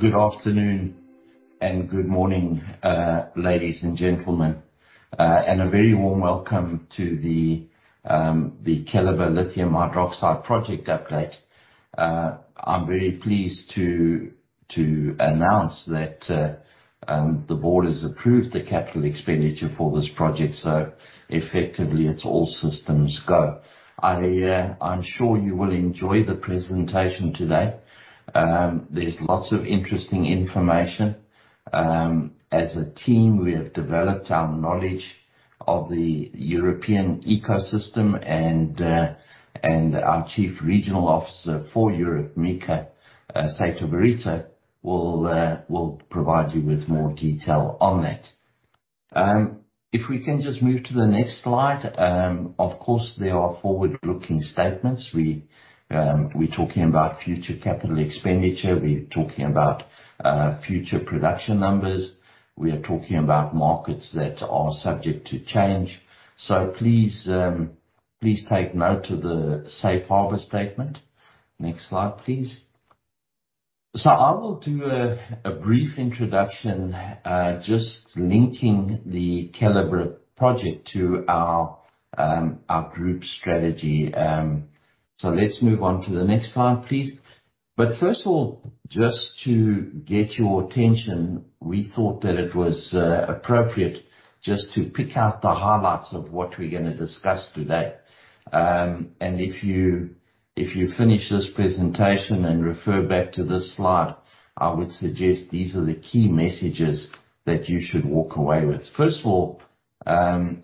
Good afternoon and good morning, ladies and gentlemen, and a very warm welcome to the Keliber lithium hydroxide project update. I'm very pleased to announce that the board has approved the capital expenditure for this project. Effectively, it's all systems go. I'm sure you will enjoy the presentation today. There's lots of interesting information. As a team, we have developed our knowledge of the European ecosystem, and our Chief Regional Officer for Europe, Mika Seitovirta, will provide you with more detail on that. If we can just move to the next slide. Of course, there are forward-looking statements. We're talking about future capital expenditure. We're talking about future production numbers. We are talking about markets that are subject to change. Please take note of the Safe Harbor statement. Next slide, please. I will do a brief introduction, just linking the Keliber project to our group strategy. Let's move on to the next slide, please. First of all, just to get your attention, we thought that it was appropriate just to pick out the highlights of what we're gonna discuss today. If you finish this presentation and refer back to this slide, I would suggest these are the key messages that you should walk away with. First of all,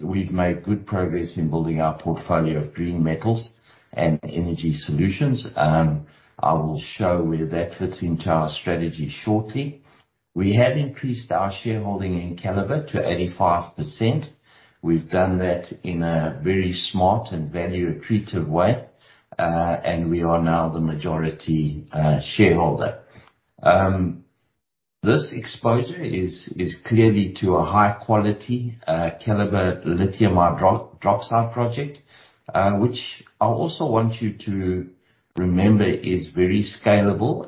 we've made good progress in building our portfolio of green metals and energy solutions. I will show where that fits into our strategy shortly. We have increased our shareholding in Keliber to 85%. We've done that in a very smart and value accretive way, and we are now the majority shareholder. This exposure is clearly to a high quality Keliber lithium hydroxide project, which I also want you to remember is very scalable.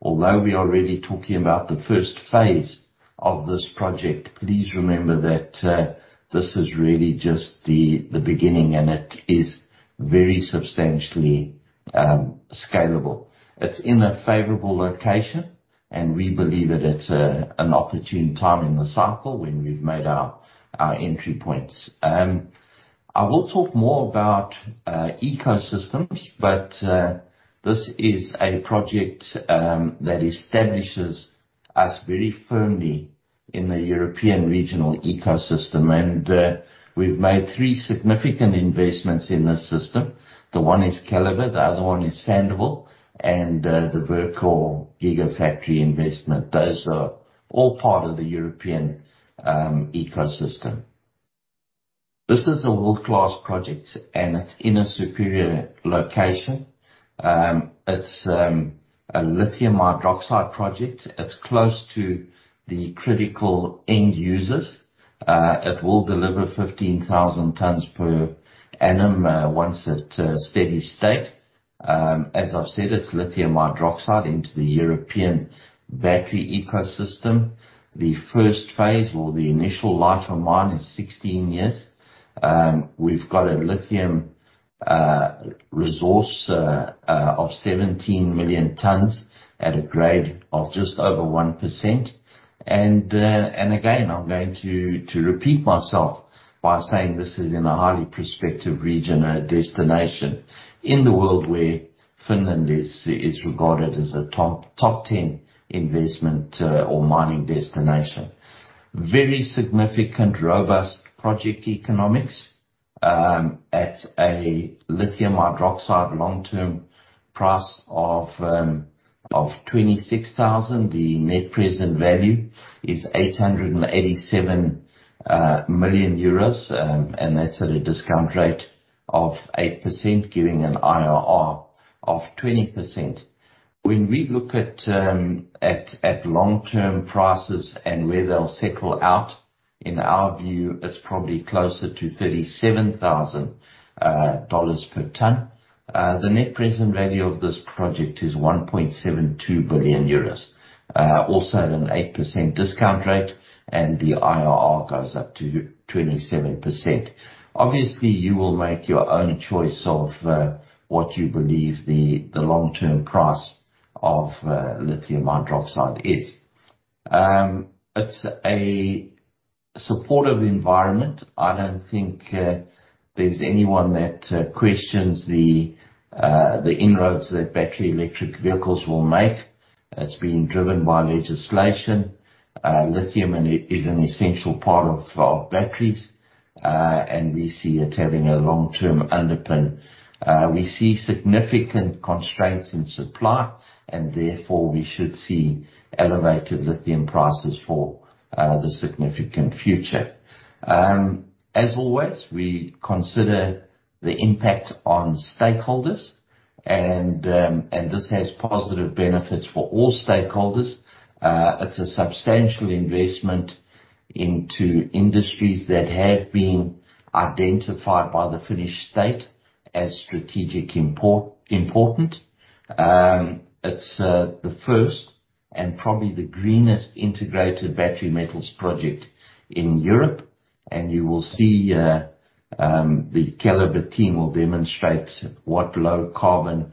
Although we are really talking about the first phase of this project, please remember that this is really just the beginning, and it is very substantially scalable. It's in a favorable location, and we believe that it's an opportune time in the cycle when we've made our entry points. I will talk more about ecosystems, but this is a project that establishes us very firmly in the European regional ecosystem. We've made three significant investments in this system. The one is Keliber, the other one is Sandouville, and the Verkor gigafactory investment. Those are all part of the European ecosystem. This is a world-class project, and it's in a superior location. It's a lithium hydroxide project. It's close to the critical end users. It will deliver 15,000 tons per annum once at steady state. As I've said, it's lithium hydroxide into the European battery ecosystem. The first phase or the initial life of mine is 16 years. We've got a lithium resource of 17 million tons at a grade of just over 1%. Again, I'm going to repeat myself by saying this is in a highly prospective region or destination in the world where Finland is regarded as a top 10 investment or mining destination. Very significant, robust project economics, at a lithium hydroxide long-term price of $26,000, the net present value is 887 million euros. That's at a discount rate of 8%, giving an IRR of 20%. When we look at long-term prices and where they'll settle out, in our view, it's probably closer to $37,000 per ton. The net present value of this project is 1.72 billion euros, also at an 8% discount rate, and the IRR goes up to 27%. Obviously, you will make your own choice of what you believe the long-term price of lithium hydroxide is. It's a supportive environment. I don't think there's anyone that questions the inroads that battery electric vehicles will make. It's being driven by legislation. Lithium, and it is an essential part of batteries, we see it having a long-term underpin. We see significant constraints in supply, and therefore we should see elevated lithium prices for the significant future. As always, we consider the impact on stakeholders and this has positive benefits for all stakeholders. It's a substantial investment into industries that have been identified by the Finnish state as strategic important. It's the first and probably the greenest integrated battery metals project in Europe. You will see the Keliber team will demonstrate what low carbon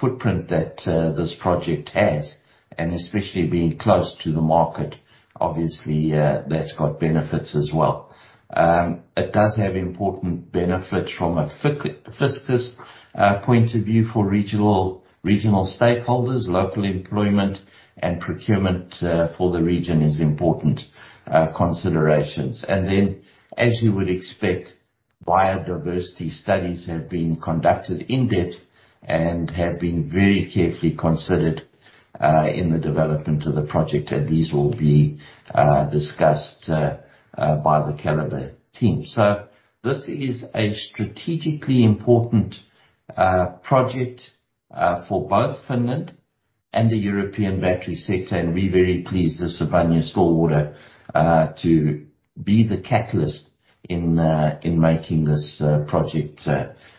footprint this project has, and especially being close to the market, obviously, that's got benefits as well. It does have important benefits from a fiscus point of view for regional stakeholders. Local employment and procurement for the region is important considerations. As you would expect, biodiversity studies have been conducted in-depth and have been very carefully considered in the development of the project. These will be discussed by the Keliber team. This is a strategically important project for both Finland and the European battery sector, and we're very pleased as Sibanye-Stillwater to be the catalyst in making this project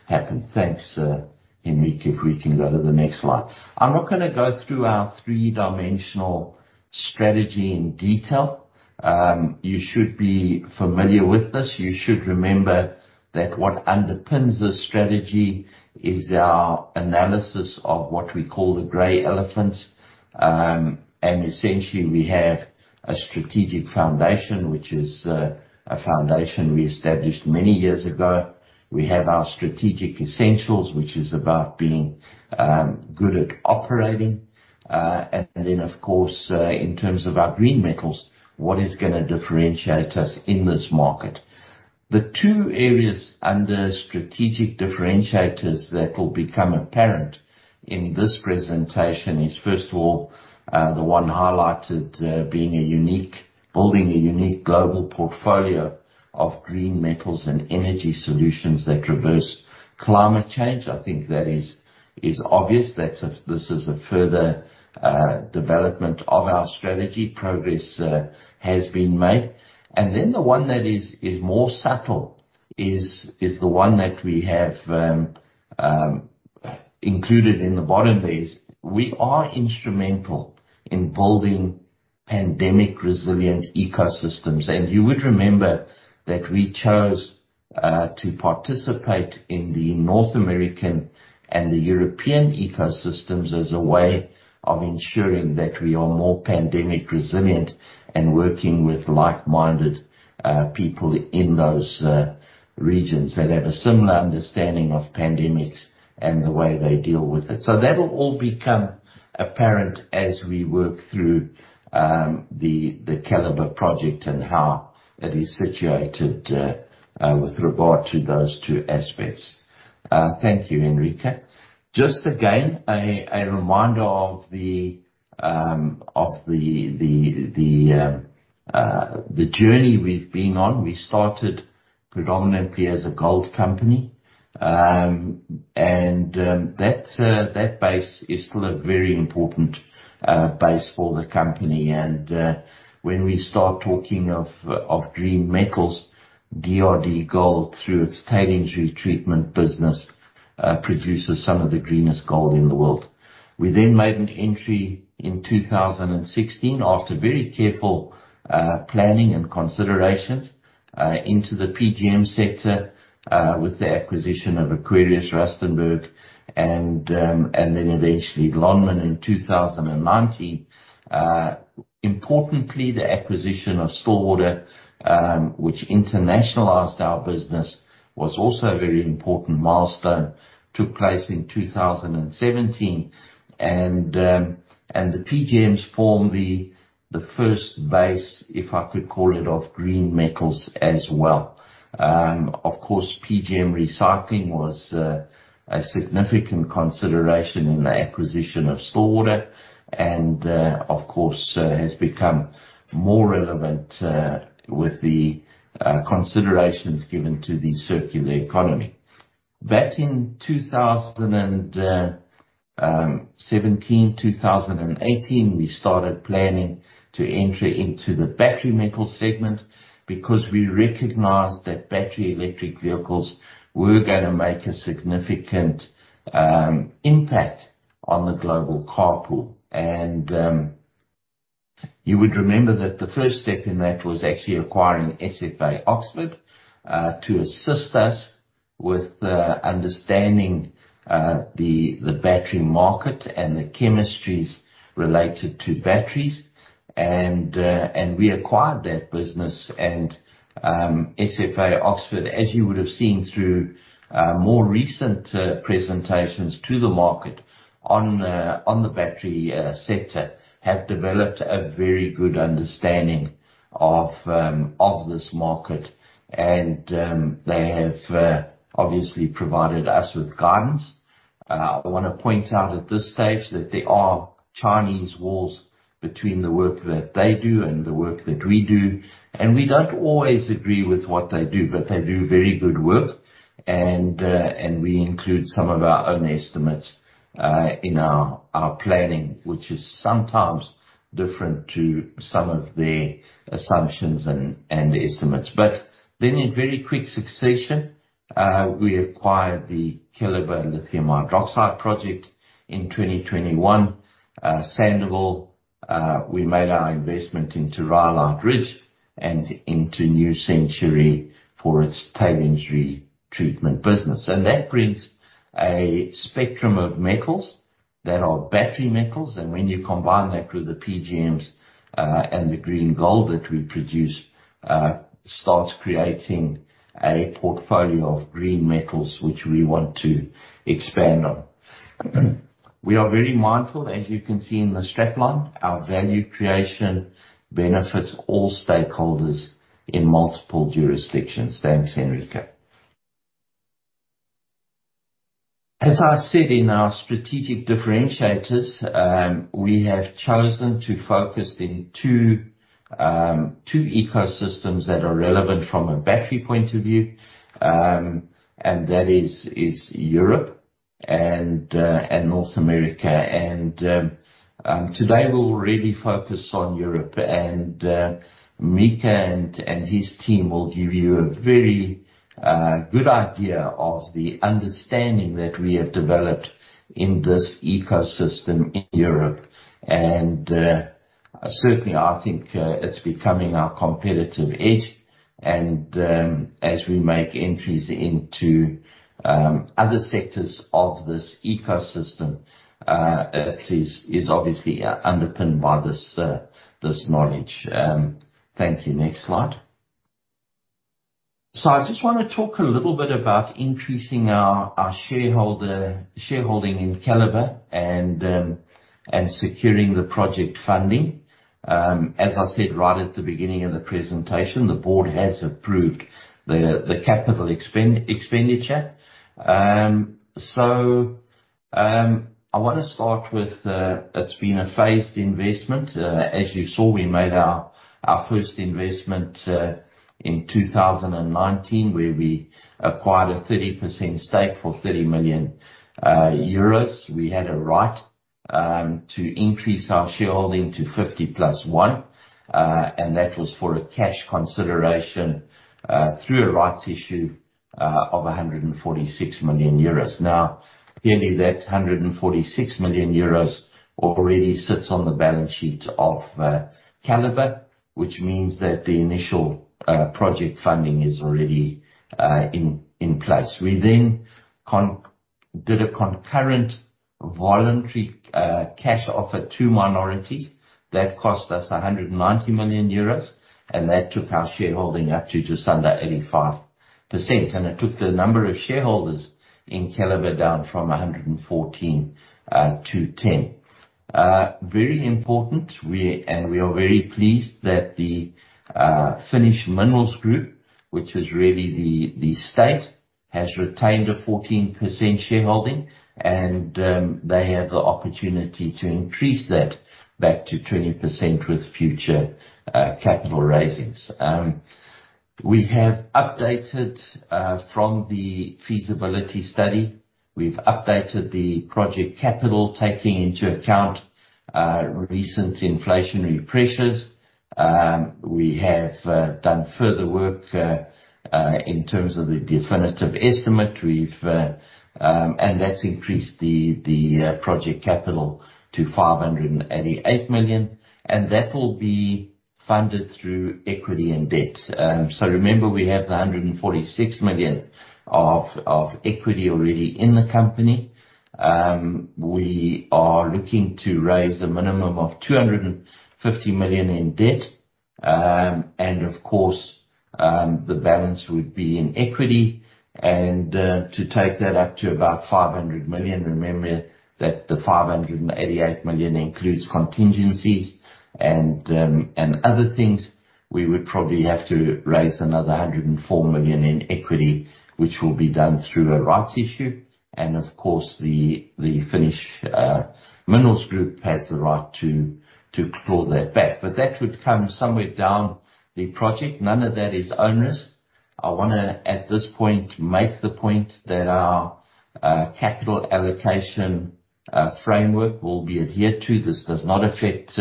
happen. Thanks, Enrique, if we can go to the next slide. I'm not gonna go through our three-dimensional strategy in detail. You should be familiar with this. You should remember that what underpins this strategy is our analysis of what we call the gray elephants. Essentially we have a strategic foundation, which is a foundation we established many years ago. We have our strategic essentials, which is about being good at operating. Then of course, in terms of our green metals, what is gonna differentiate us in this market. The two areas under strategic differentiators that will become apparent in this presentation is, first of all, the one highlighted, building a unique global portfolio of green metals and energy solutions that reverse climate change. I think that is obvious that this is a further development of our strategy. Progress has been made. Then, the one that is more subtle is the one that we have included in the bottom there, is we are instrumental in building pandemic resilient ecosystems. You would remember that we chose to participate in the North American and the European ecosystems as a way of ensuring that we are more pandemic resilient and working with like-minded people in those regions that have a similar understanding of pandemics and the way they deal with it. That will all become apparent as we work through the Keliber project and how it is situated with regard to those two aspects. Thank you, Enrique. Just again, a reminder of the journey we've been on. We started predominantly as a gold company, and that base is still a very important base for the company. When we start talking of green metals, DRDGOLD, through its tailings retreatment business, produces some of the greenest gold in the world. We then made an entry in 2016 after very careful planning and considerations into the PGM sector with the acquisition of Aquarius Platinum Limited, and then eventually Lonmin in 2019. Importantly, the acquisition of Stillwater, which internationalized our business, was also a very important milestone, took place in 2017. The PGMs formed the first base, if I could call it, of green metals as well. Of course, PGM recycling was a significant consideration in the acquisition of Stillwater and, of course, has become more relevant with the considerations given to the circular economy. Back in 2017, 2018, we started planning to enter into the battery metal segment because we recognized that battery electric vehicles were gonna make a significant impact on the global car pool. You would remember that the first step in that was actually acquiring SFA (Oxford) to assist us with understanding the battery market and the chemistries related to batteries. We acquired that business. SFA (Oxford), as you would have seen through more recent presentations to the market on the battery sector, have developed a very good understanding of this market. They have obviously provided us with guidance. I wanna point out at this stage that there are Chinese walls between the work that they do and the work that we do, and we don't always agree with what they do, but they do very good work. We include some of our own estimates in our planning, which is sometimes different to some of their assumptions and estimates. In very quick succession, we acquired the Keliber lithium hydroxide project in 2021. Sandouville, we made our investment into Rhyolite Ridge and into New Century for its tailings retreatment business. That brings a spectrum of metals that are battery metals. When you combine that with the PGMs and the green gold that we produce, starts creating a portfolio of green metals which we want to expand on. We are very mindful, as you can see in the strap line, our value creation benefits all stakeholders in multiple jurisdictions. Thanks, Enrique. As I said in our strategic differentiators, we have chosen to focus in two ecosystems that are relevant from a battery point of view, and that is Europe and North America. Today we'll really focus on Europe, and Mika and his team will give you a very good idea of the understanding that we have developed in this ecosystem in Europe. Certainly, I think it's becoming our competitive edge and as we make entries into other sectors of this ecosystem, is obviously underpinned by this knowledge. Thank you, next slide. I just want to talk a little bit about increasing our shareholding in Keliber and securing the project funding. As I said right at the beginning of the presentation, the board has approved the capital expenditure. I want to start with, it's been a phased investment. As you saw, we made our first investment in 2019, where we acquired a 30% stake for 30 million euros. We had a right to increase our shareholding to 50+1, and that was for a cash consideration through a rights issue of 146 million euros. Clearly that 146 million euros already sits on the balance sheet of Keliber, which means that the initial project funding is already in place. We did a concurrent voluntary cash offer to minorities that cost us 190 million euros, that took our shareholding up to just under 85%. It took the number of shareholders in Keliber down from 114 to 10. Very important, we are very pleased that the Finnish Minerals Group, which is really the state, has retained a 14% shareholding, they have the opportunity to increase that back to 20% with future capital raisings. We have updated from the feasibility study. We've updated the project capital taking into account recent inflationary pressures. We have done further work in terms of the definitive estimate. We've... That's increased the project CapEx to 588 million, and that will be funded through equity and debt. Remember, we have the 146 million of equity already in the company. We are looking to raise a minimum of 250 million in debt. Of course, the balance would be in equity. To take that up to about 500 million, remember that the 588 million includes contingencies and other things, we would probably have to raise another 104 million in equity, which will be done through a rights issue. Of course, the Finnish Minerals Group has the right to claw that back. That would come somewhere down the project. None of that is onerous. I wanna, at this point, make the point that our capital allocation framework will be adhered to. This does not affect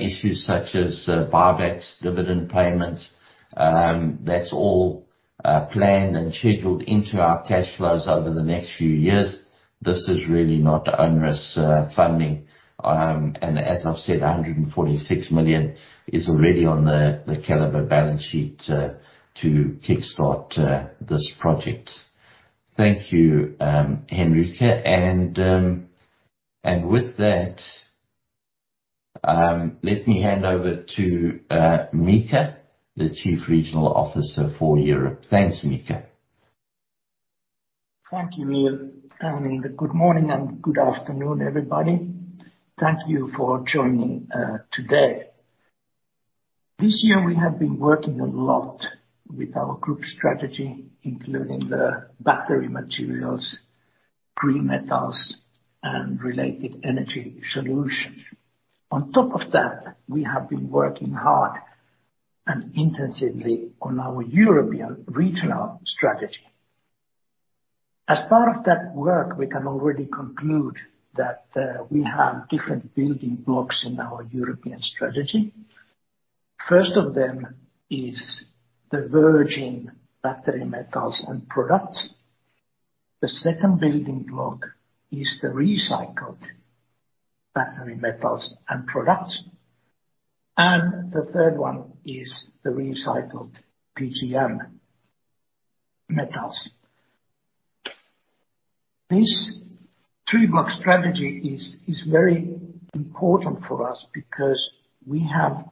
issues such as buybacks, dividend payments. That's all planned and scheduled into our cash flows over the next few years. This is really not onerous funding. As I've said, 146 million is already on the Keliber balance sheet to kickstart this project. Thank you, Enrique. With that, let me hand over to Mika, the Chief Regional Officer for Europe. Thanks, Mika. Thank you, Neal. Good morning and good afternoon, everybody. Thank you for joining today. This year we have been working a lot with our group strategy, including the battery materials, green metals and related energy solutions. On top of that, we have been working hard and intensively on our European regional strategy. As part of that work, we can already conclude that we have different building blocks in our European strategy. First of them is the virgin battery metals and products. The second building block is the recycled battery metals and products, and the third one is the recycled PGM metals. This three-block strategy is very important for us because we have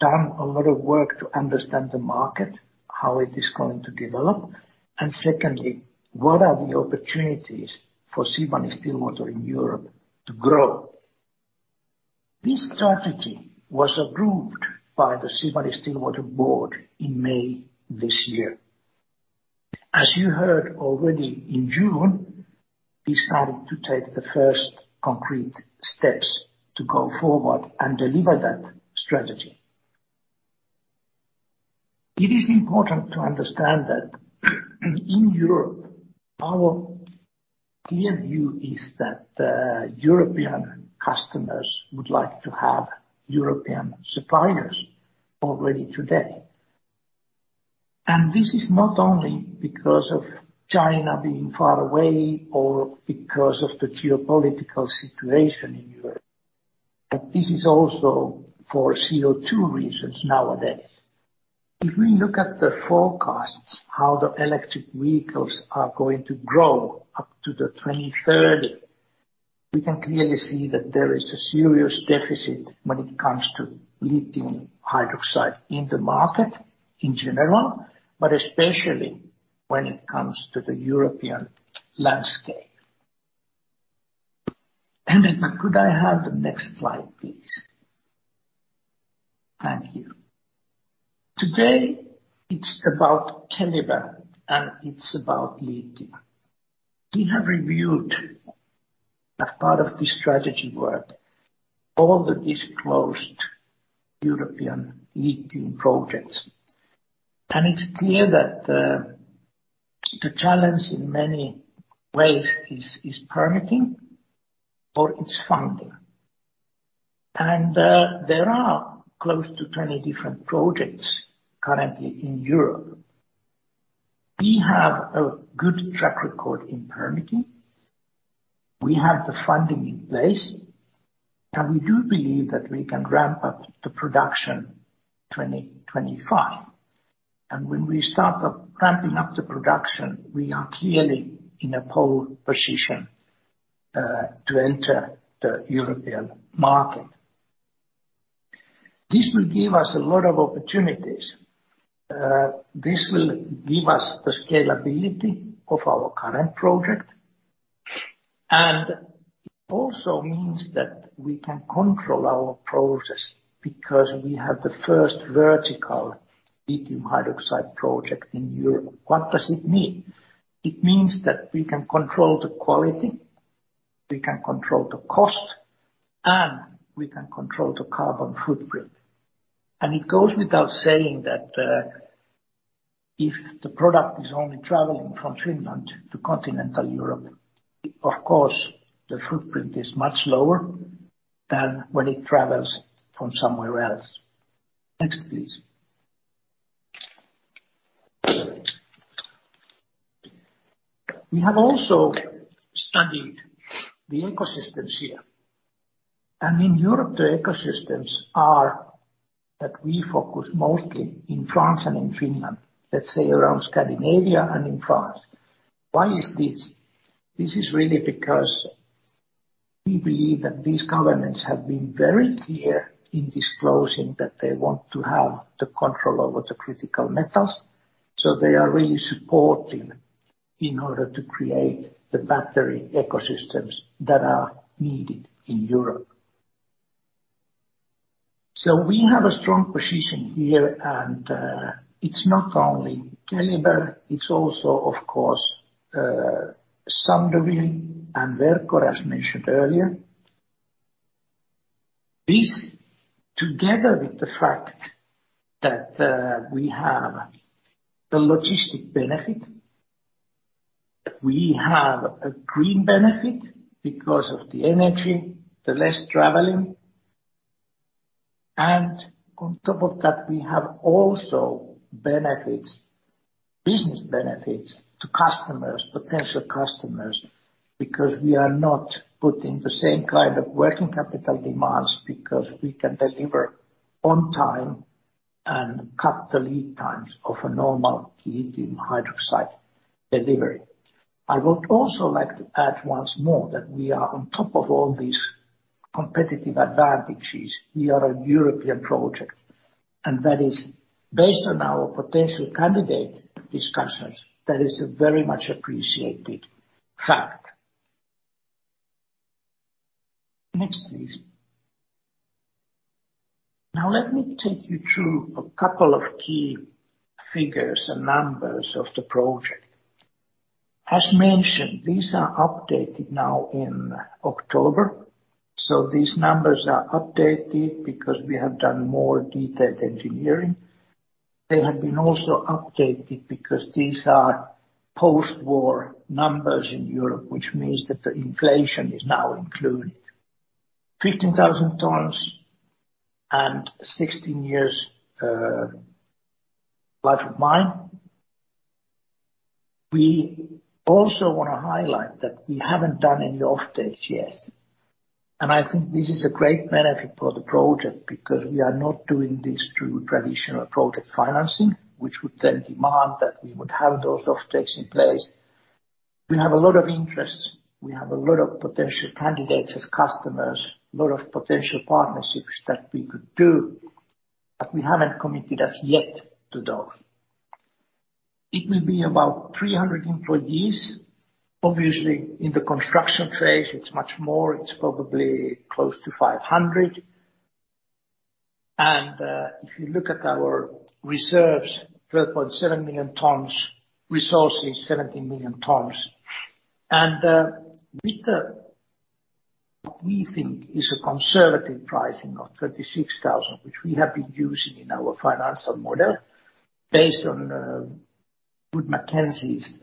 done a lot of work to understand the market, how it is going to develop, and secondly, what are the opportunities for Sibanye-Stillwater in Europe to grow. This strategy was approved by the Sibanye-Stillwater board in May this year. As you heard already in June, we started to take the first concrete steps to go forward and deliver that strategy. It is important to understand that in Europe, our clear view is that the European customers would like to have European suppliers already today. This is not only because of China being far away or because of the geopolitical situation in Europe, but this is also for CO2 reasons nowadays. If we look at the forecasts, how the electric vehicles are going to grow up to the 23rd, we can clearly see that there is a serious deficit when it comes to lithium hydroxide in the market in general, but especially when it comes to the European landscape. Could I have the next slide, please? Thank you. Today it's about Keliber, and it's about lithium. We have reviewed, as part of the strategy work, all the disclosed European lithium projects. It's clear that the challenge in many ways is permitting or it's funding. There are close to 20 different projects currently in Europe. We have a good track record in permitting. We have the funding in place, and we do believe that we can ramp up the production 2025. When we start up ramping up the production, we are clearly in a pole position to enter the European market. This will give us a lot of opportunities. This will give us the scalability of our current project, and it also means that we can control our process because we have the first vertical lithium hydroxide project in Europe. What does it mean? It means that we can control the quality, we can control the cost, and we can control the carbon footprint. It goes without saying that if the product is only traveling from Finland to continental Europe, of course, the footprint is much lower than when it travels from somewhere else. Next, please. We have also studied the ecosystems here. In Europe, the ecosystems are that we focus mostly in France and in Finland, let's say around Scandinavia and in France. Why is this? This is really because we believe that these governments have been very clear in disclosing that they want to have the control over the critical metals, so they are really supportive in order to create the battery ecosystems that are needed in Europe. We have a strong position here, and it's not only Keliber, it's also, of course, Sandouville. Now let me take you through a couple of key figures and numbers of the project. As mentioned, these are updated now in October. These numbers are updated because we have done more detailed engineering. They have been also updated because these are post-war numbers in Europe, which means that the inflation is now included. 15,000 tons and 16 years life of mine. We also wanna highlight that we haven't done any off-takes yet. I think this is a great benefit for the project because we are not doing this through traditional project financing, which would then demand that we would have those off-takes in place. We have a lot of interest, we have a lot of potential candidates as customers, a lot of potential partnerships that we could do, but we haven't committed as yet to those. It will be about 300 employees. Obviously, in the construction phase it's much more. It's probably close to 500. If you look at our reserves, 12.7 million tons, resources, 17 million tons. With what we think is a conservative pricing of 36,000, which we have been using in our financial model based on Wood Mackenzie's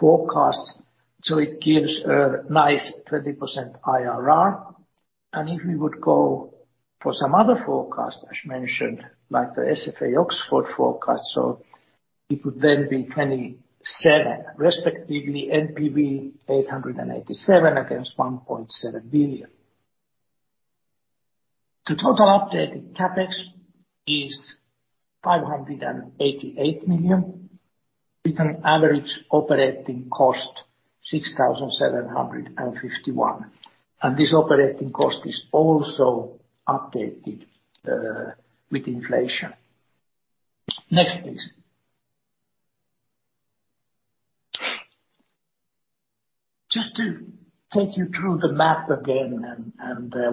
forecast. It gives a nice 30% IRR. If we would go for some other forecast, as mentioned, like the SFA (Oxford) forecast, it would then be 27%, respectively, NPV 887 million against 1.7 billion. The total updated CapEx is 588 million with an average operating cost 6,751. This operating cost is also updated with inflation. Next, please. Just to take you through the map again,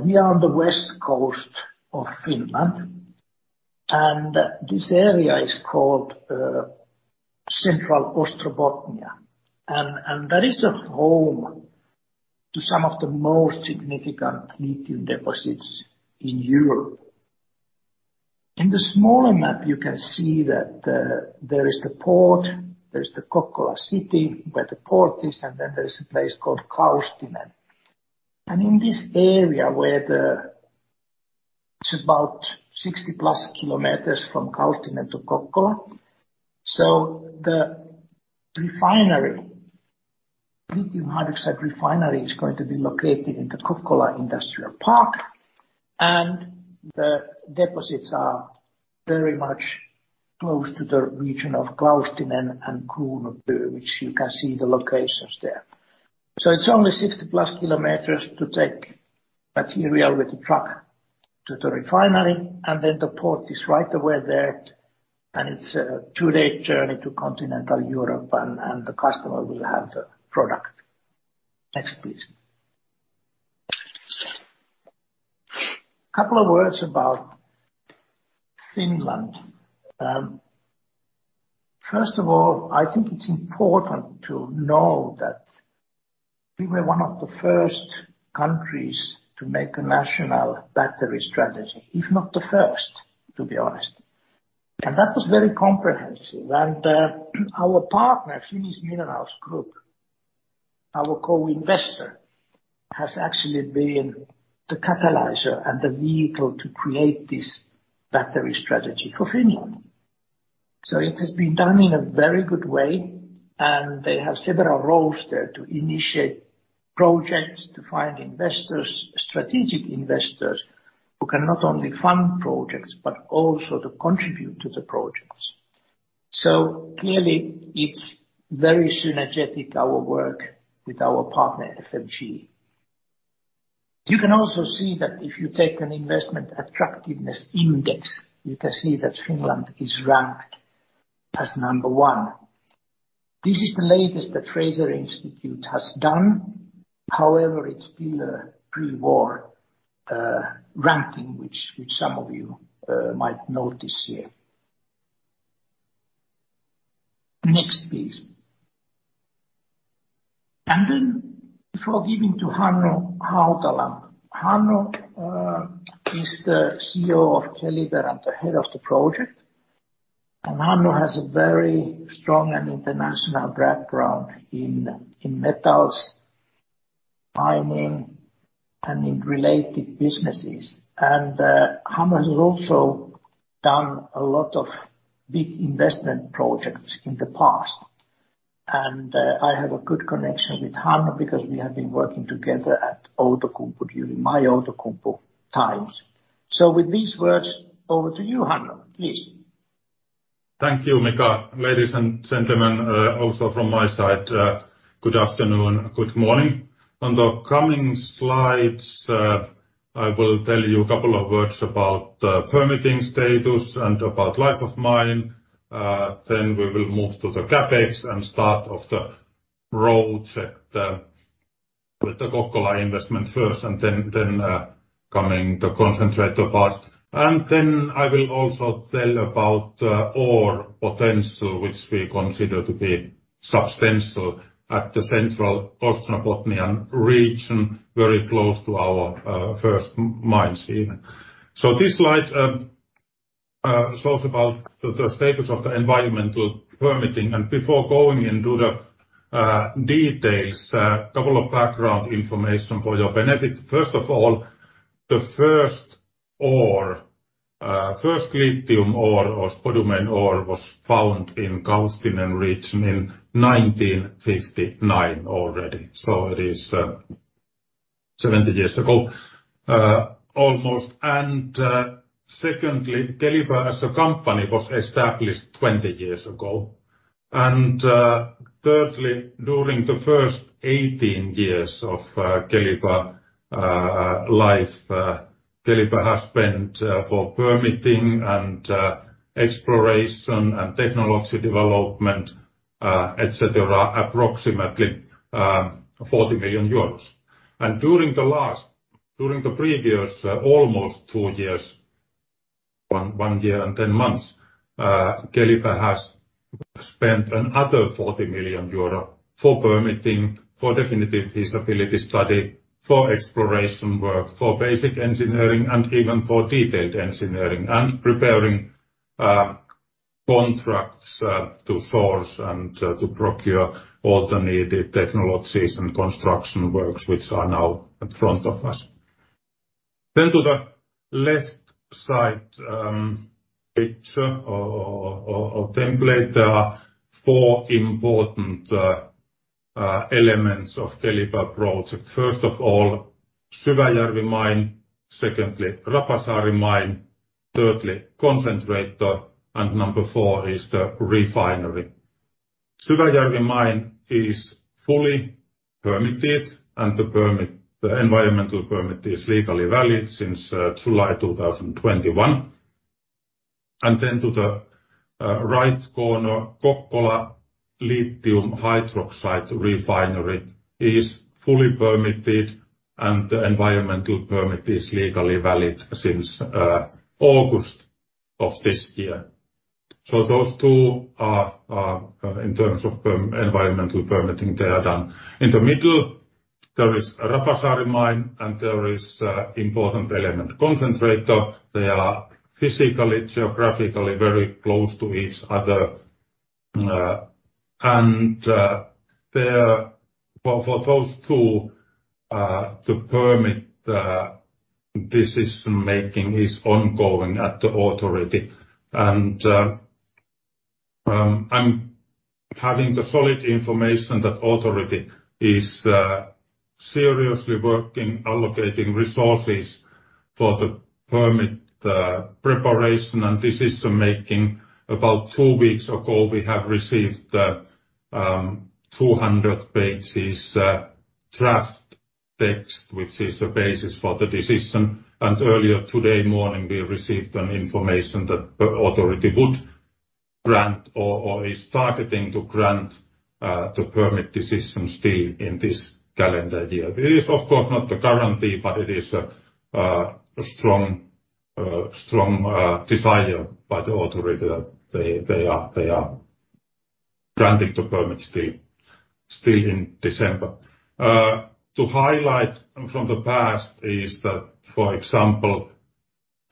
we are on the west coast of Finland, this area is called Central Ostrobothnia, and that is home to some of the most significant lithium deposits in Europe. In the smaller map, you can see that there is the port, there's the Kokkola city, where the port is, and then there is a place called Kaustinen. In this area, it's about 60+ km from Kaustinen to Kokkola. The refinery, lithium hydroxide refinery is going to be located in the Kokkola Industrial Park, and the deposits are very much close to the region of Kaustinen and Kronoby, which you can see the locations there. It's only 60+ km to take material with the truck to the refinery, and then the port is right away there, and it's a two-day journey to Continental Europe and the customer will have the product. Next, please. Couple of words about Finland. First of all, I think it's important to know that we were one of the first countries to make a national battery strategy, if not the first, to be honest. That was very comprehensive. Our partner, Finnish Minerals Group, our co-investor, has actually been the catalyzer and the vehicle to create this battery strategy for Finland. It has been done in a very good way, and they have several roles there to initiate projects, to find investors, strategic investors who can not only fund projects, but also to contribute to the projects. Clearly it's very synergetic, our work with our partner FMG. You can also see that if you take an Investment Attractiveness Index, you can see that Finland is ranked as number one. This is the latest that Fraser Institute has done. However, it's still a pre-war ranking, which some of you might notice here. Next, please. Before giving to Hannu Hautala. Hannu is the CEO of Keliber and the head of the project, and Hannu has a very strong and international background in metals mining and in related businesses. Hannu has also done a lot of big investment projects in the past, and I have a good connection with Hannu because we have been working together at Outokumpu during my Outokumpu times. With these words, over to you, Hannu, please. Thank you, Mika. Ladies and gentlemen, also from my side, good afternoon, good morning. On the coming slides, I will tell you a couple of words about permitting status and about life of mine. Then we will move to the CapEx and start of the roads at with the Kokkola investment first, and then coming the concentrate part. Then I will also tell about ore potential, which we consider to be substantial at the central Ostrobothnia region, very close to our first mines, even. This slide shows about the status of the environmental permitting. Before going into the details, a couple of background information for your benefit. First of all, the first ore, first lithium ore, or spodumene ore, was found in Kaustinen region in 1959 already. It is 70 years ago almost. Secondly, Keliber as a company was established 20 years ago. Thirdly, during the first 18 years of Keliber life, Keliber has spent for permitting and exploration and technology development, et cetera, approximately 40 million euros. During the previous almost two years, one year and 10 months, Keliber has spent another 40 million euro for permitting, for definitive feasibility study, for exploration work, for basic engineering, and even for detailed engineering and preparing contracts to source and to procure all the need technologies and construction works which are now in front of us. To the left side picture or template, there are four important elements of Keliber project. First of all, Syväjärven mine. Secondly, Rapasaari mine. Thirdly, concentrator. Number four is the refinery. Syväjärven mine is fully permitted, and the permit, the environmental permit is legally valid since July 2021. To the right corner, Kokkola lithium hydroxide refinery is fully permitted, and the environmental permit is legally valid since August of this year. Those two are, in terms of environmental permitting, they are done. In the middle, there is Rapasaari mine, and there is important element concentrator. They are physically, geographically, very close to each other. For those two, the permit decision-making is ongoing at the authority. I'm having the solid information that authority is seriously working, allocating resources for the permit preparation and decision-making. About two weeks ago, we have received 200 pages draft text, which is the basis for the decision. Earlier today morning, we received an information that the authority would grant or is targeting to grant the permit decisions still in this calendar year. It is, of course, not a guarantee, but it is a strong desire by the authority that they are granting the permits still in December. To highlight from the past is that, for example,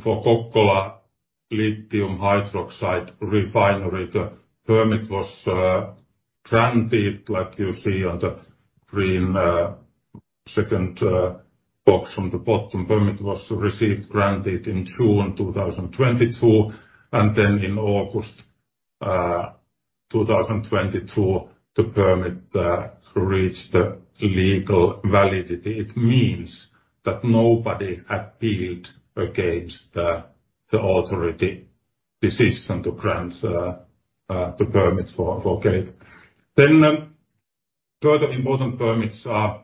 for Kokkola lithium hydroxide refinery, the permit was granted, like you see on the green second box from the bottom. Permit was received, granted in June 2022, and then in August 2022, the permit reached the legal validity. It means that nobody appealed against the authority decision to grant the permits for Keliber. Further important permits are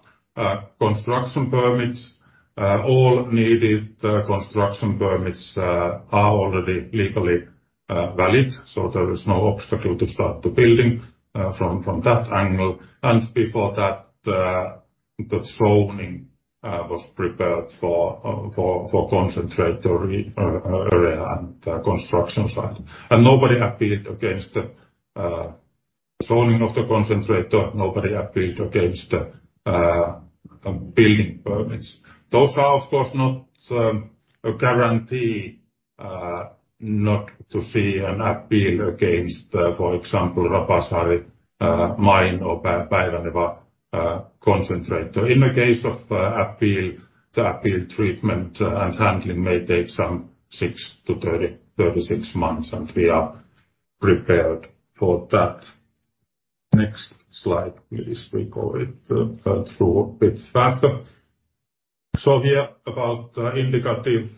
construction permits. All needed construction permits are already legally valid, so there is no obstacle to start the building from that angle. Before that, the zoning was prepared for concentrator area and construction site. Nobody appealed against the zoning of the concentrator. Nobody appealed against the building permits. Those are, of course, not a guarantee not to see an appeal against, for example, Rapasaari mine or Päivänevan concentrator. In the case of appeal, the appeal treatment and handling may take some six to 36 months, and we are prepared for that. Next slide, please. We go it through a bit faster. Here about indicative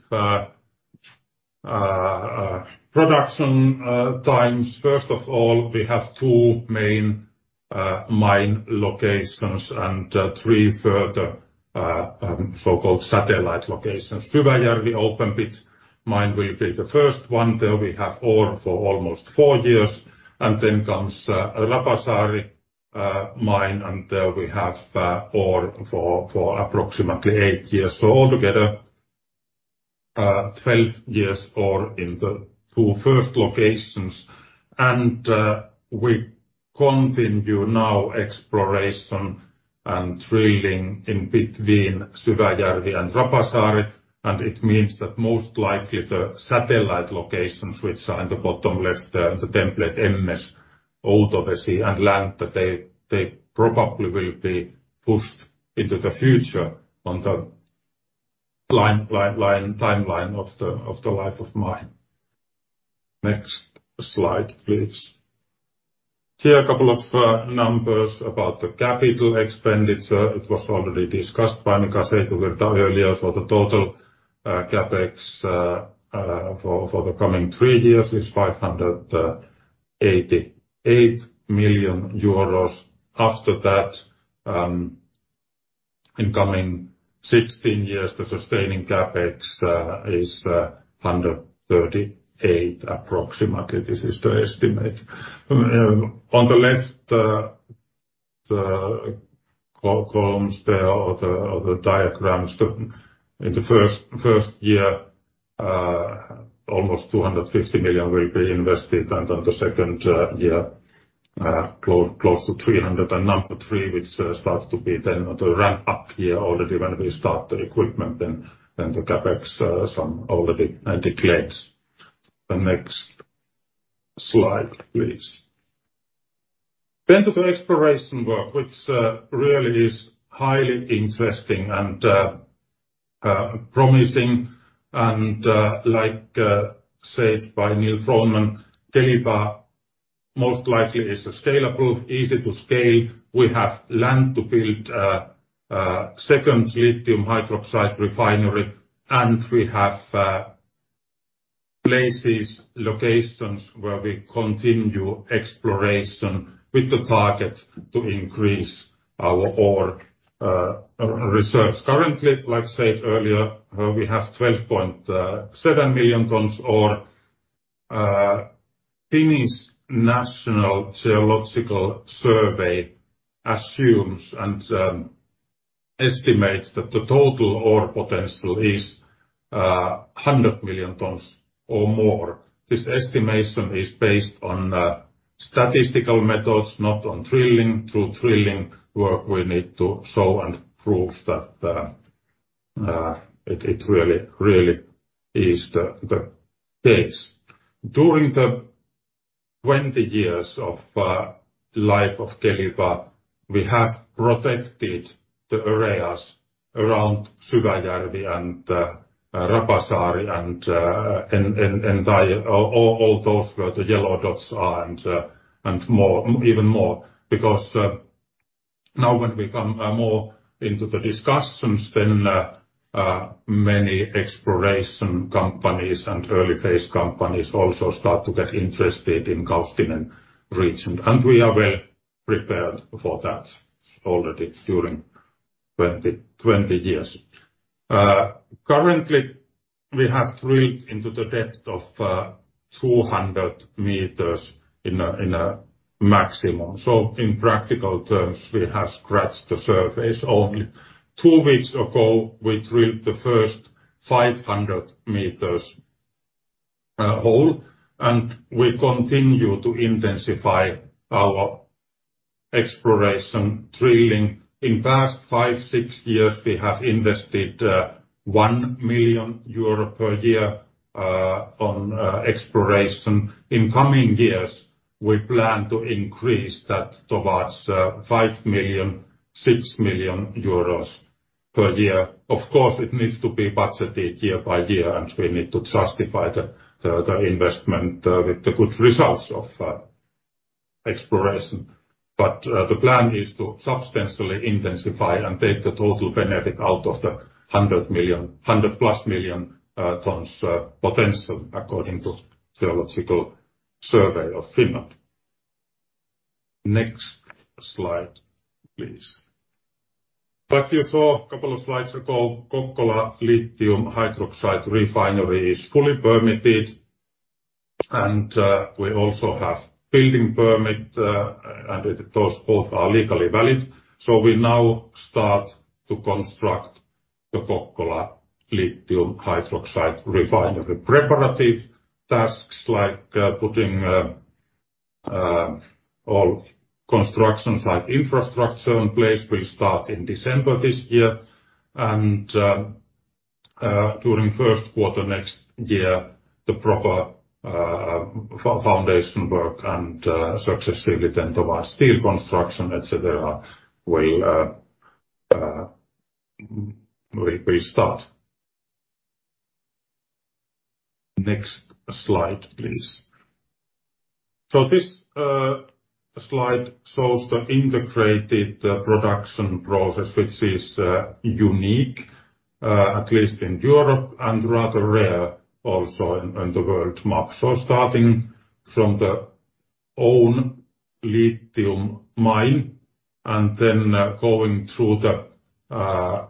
production times. First of all, we have two main mine locations and three further so-called satellite locations. Syväjärven open pit mine will be the first one. There we have ore for almost four years. Then comes Rapasaari mine, and there we have ore for approximately eight years. Altogether, 12 years or in the two first locations. We continue now exploration and drilling in between Syväjärven and Rapasaari. It means that most likely the satellite locations which are in the bottom left, the template MS, Outovesi and land, that they probably will be pushed into the future on the line, timeline of the life of mine. Next slide, please. Here a couple of numbers about the capital expenditure. It was already discussed by Mika Seitovirta earlier. The total CapEx for the coming three years is 588 million euros. After that, in coming 16 years, the sustaining CapEx is 138 million approximately. This is the estimate. On the left, the columns there or the diagrams, in the first year, almost 250 million will be invested, and on the second year, close to 300 million. Number three, which starts to be the ramp-up year already when we start the equipment, then the CapEx sum already declines. The next slide, please. To the exploration work, which really is highly interesting and promising. Like said by Neal Froneman, Keliber most likely is scalable, easy to scale. We have land to build a second lithium hydroxide refinery, and we have places, locations where we continue exploration with the target to increase our ore re-reserves. Currently, like said earlier, we have 12.7 million tons ore. Geological Survey of Finland assumes and estimates that the total ore potential is 100 million tons or more. This estimation is based on statistical methods, not on drilling. Through drilling work we need to show and prove that it really is the case. During the 20 years of life of Keliber, we have protected the areas around Syväjärven and Rapasaari and all those where the yellow dots are and more, even more. Now, when we come more into the discussions, many exploration companies and early-phase companies also start to get interested in Kaustinen region. We are well prepared for that already during 20 years. Currently we have drilled into the depth of 200 meters in a maximum. In practical terms, we have scratched the surface. Only two weeks ago, we drilled the first 500 m hole, and we continue to intensify our exploration drilling. In past five to six years, we have invested 1 million euro per year on exploration. In coming years, we plan to increase that towards 5 million-6 million euros per year. Of course, it needs to be budgeted year by year, and we need to justify the investment with the good results of exploration. The plan is to substantially intensify and take the total benefit out of the 100 million, 100+ million tons potential according to Geological Survey of Finland. Next slide, please. Like you saw a couple of slides ago, Kokkola lithium hydroxide refinery is fully permitted, and we also have building permit, and those both are legally valid. We now start to construct the Kokkola lithium hydroxide refinery. Preparative tasks like putting all construction site infrastructure in place will start in December this year. During first quarter next year, the proper foundation work and successively then towards steel construction, et cetera, will start. Next slide, please. This slide shows the integrated production process, which is unique at least in Europe and rather rare also in the world map. Starting from the own lithium mine and then going through the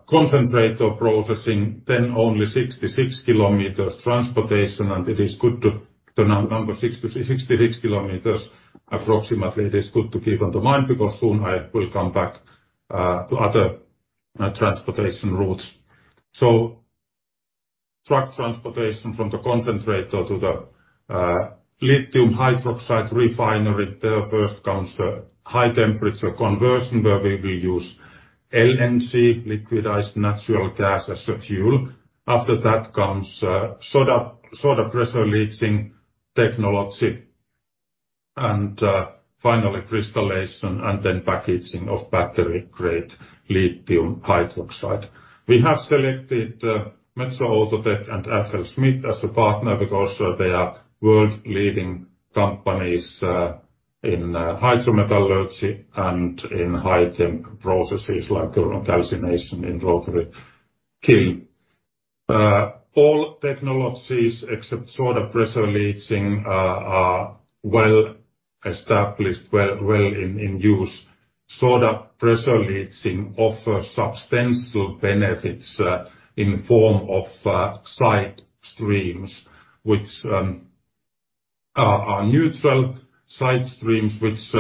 concentrator processing, then only 66 km transportation, and it is good to keep on the mind because soon I will come back to other transportation routes. Truck transportation from the concentrator to the lithium hydroxide refinery. There first comes the high temperature conversion, where we will use LNG, liquidized natural gas as a fuel. After that comes soda pressure leaching technology, and finally crystallization, and then packaging of battery grade lithium hydroxide. We have selected Metso Outotec and FLSmidth as a partner because they are world-leading companies in hydrometallurgy and in high-tech processes like thermal calcination in rotary kiln. All technologies except soda pressure leaching are well established, well in use. Soda pressure leaching offers substantial benefits, in form of side streams, which are neutral side streams which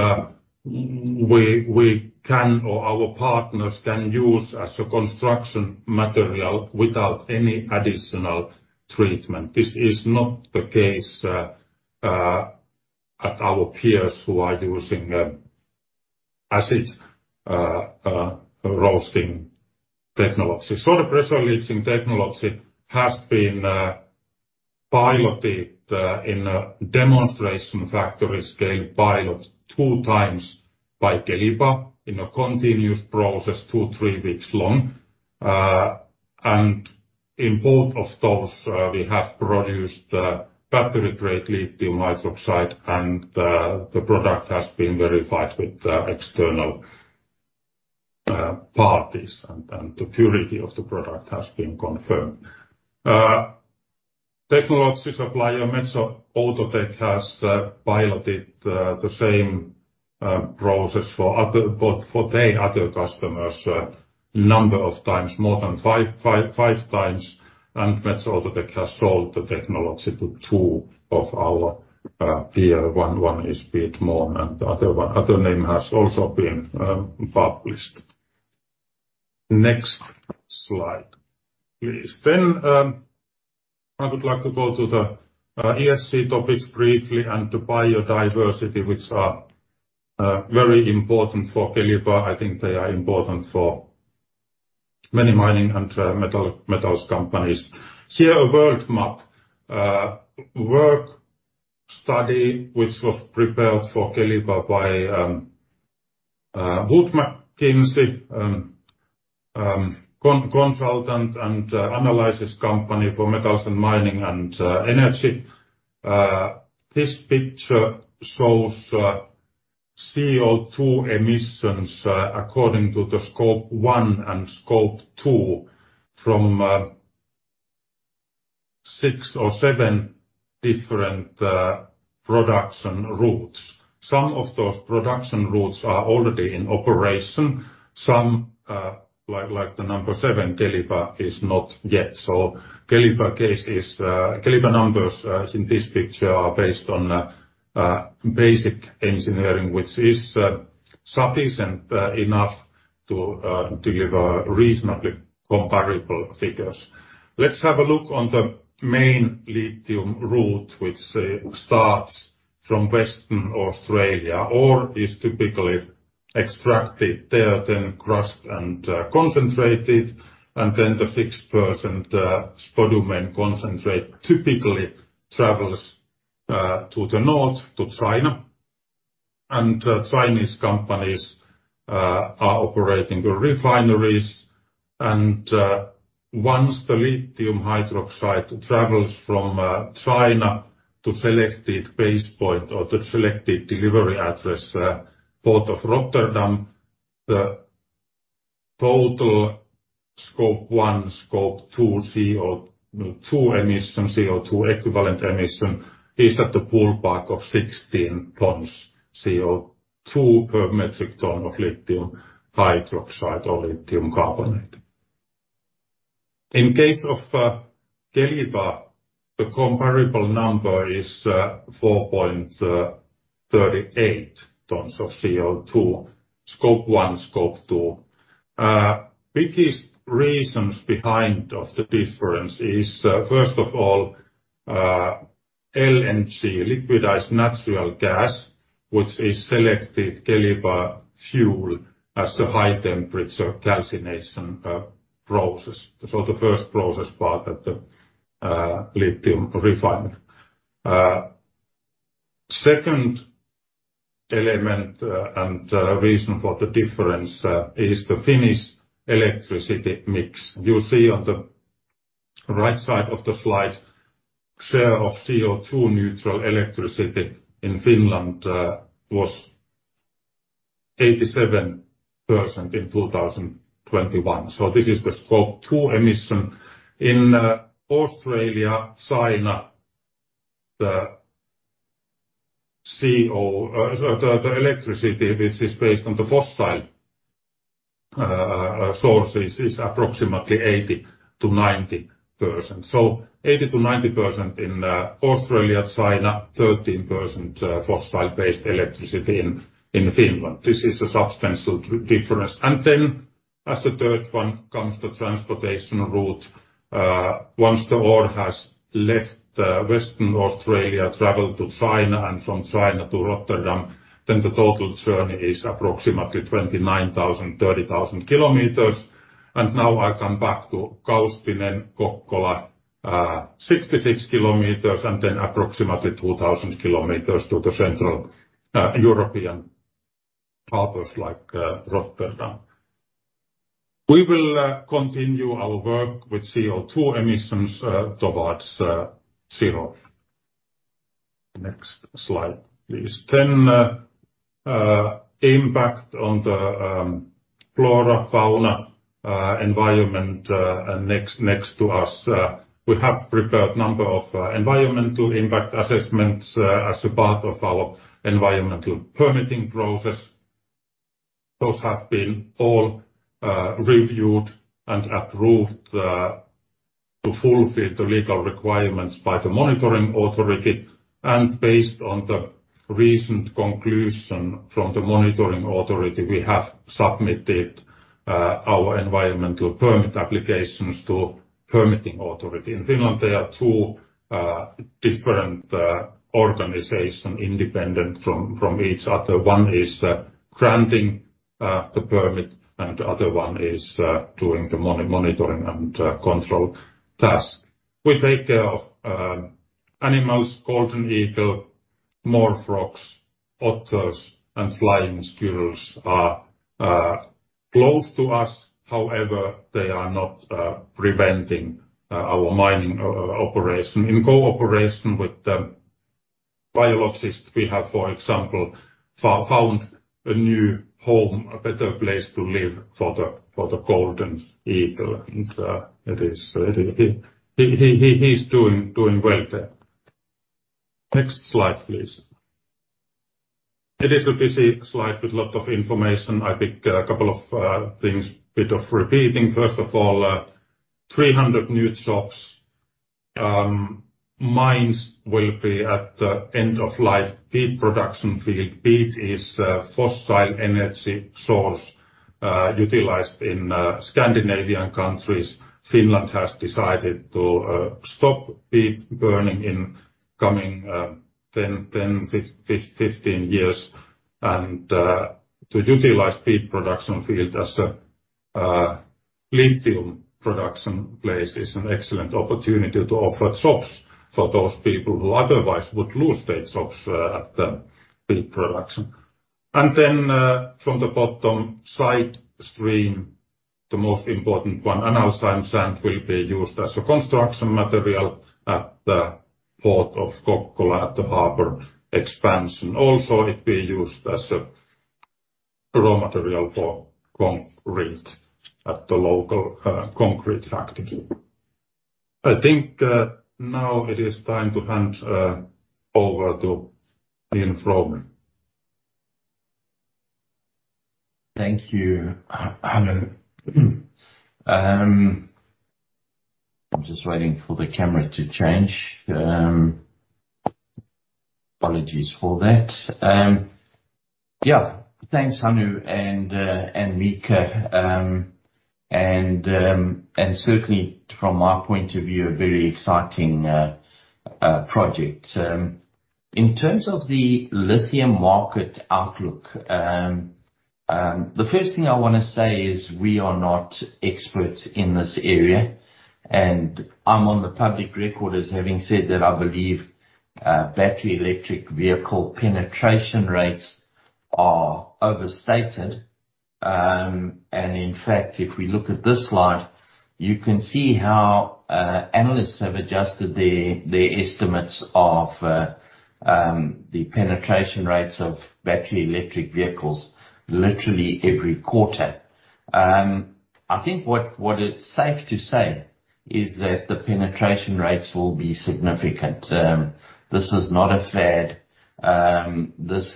we can or our partners can use as a construction material without any additional treatment. This is not the case at our peers who are using acid roasting technology. Soda pressure leaching technology has been piloted in a demonstration factory scale pilot two times by Keliber in a continuous process two, three weeks long. And in both of those, we have produced battery-grade lithium oxide, and the product has been verified with external parties and the purity of the product has been confirmed. Technology supplier Metso Outotec has piloted the same process but for their other customers a number of times, more than five times, and Metso Outotec has sold the technology to two of our peer. One is Piedmont, and the other name has also been published. Next slide, please. I would like to go to the ESG topics briefly and to biodiversity, which are very important for Keliber. I think they are important for many mining and metals companies. Here a world map work study which was prepared for Keliber by Wood Mackenzie consultant and analysis company for metals and mining and energy. This picture shows CO2 emissions according to the Scope 1 and Scope 2 from six or seven different production routes. Some of those production routes are already in operation. Some, like the number seven, Keliber is not yet. Keliber case is, Keliber numbers in this picture are based on basic engineering, which is sufficient enough to give a reasonably comparable figures. Let's have a look on the main lithium route, which starts from Western Australia, or is typically extracted there, then crushed and concentrated, and then the 6% spodumene concentrate typically travels to the north, to China. Chinese companies are operating refineries, and once the lithium hydroxide travels from China to selected base point or the selected delivery address, Port of Rotterdam, the total Scope 1, Scope 2 CO2 emission, CO2 equivalent emission is at the ballpark of 16 tons CO2 per metric ton of lithium hydroxide or lithium carbonate. In case of Keliber, the comparable number is 4.38 tons of CO2, Scope 1, Scope 2. Biggest reasons behind of the difference is, first of all, LNG, liquidized natural gas, which is selected Keliber fuel as the high temperature calcination process. The first process part at the lithium refinery. Second element, and reason for the difference, is the Finnish electricity mix. You see on the right side of the slide, share of CO2 neutral electricity in Finland was 87% in 2021. This is the Scope 2 emission. In Australia, China, the electricity which is based on the fossil source is approximately 80%-90%. 80%-90% in Australia, China, 13% fossil-based electricity in Finland. This is a substantial difference. As the third one comes the transportation route. Once the ore has left Western Australia, travel to China and from China to Rotterdam, then the total journey is approximately 29,000 km-30,000 km. Now, I come back to Kaustinen, Kokkola, 66 km, and then approximately 2,000 km to the central European harbors like Rotterdam. We will continue our work with CO2 emissions towards zero. Next slide, please. Impact on the flora, fauna, environment next to us. We have prepared number of environmental impact assessments as a part of our environmental permitting process. Those have been all reviewed and approved to fulfill the legal requirements by the monitoring authority. Based on the recent conclusion from the monitoring authority, we have submitted our environmental permit applications to permitting authority. In Finland, there are two different organization independent from each other. One is granting the permit and the other one is doing the monitoring and control task. We take care of animals, golden eagle, moor frogs, otters, and flying squirrels are close to us. However, they are not preventing our mining operation. In cooperation with the biologists, we have, for example, found a new home, a better place to live for the golden eagle. He's doing well there. Next slide, please. It is a busy slide with lot of information. I pick a couple of things, bit of repeating. First of all, 300 new jobs. Mines will be at the end of life. Peat production field. Peat is a fossil energy source, utilized in Scandinavian countries. Finland has decided to stop peat burning in coming 10, 15 years. To utilize peat production field as a lithium production place is an excellent opportunity to offer jobs for those people who otherwise would lose their jobs at the peat production. From the bottom side stream, the most important one, analcime sand will be used as a construction material at the port of Kokkola at the harbor expansion. Also, it will be used as a raw material for concrete at the local concrete factory. I think now it is time to hand over to Neal Froneman. Thank you, Hannu. I'm just waiting for the camera to change. Apologies for that. Yeah. Thanks, Hannu and Mika. Certainly from my point of view, a very exciting project. In terms of the lithium market outlook, the first thing I wanna say is we are not experts in this area, and I'm on the public record as having said that I believe battery electric vehicle penetration rates are overstated. In fact, if we look at this slide, you can see how analysts have adjusted their estimates of the penetration rates of battery electric vehicles literally every quarter. I think what it's safe to say is that the penetration rates will be significant. This is not a fad. This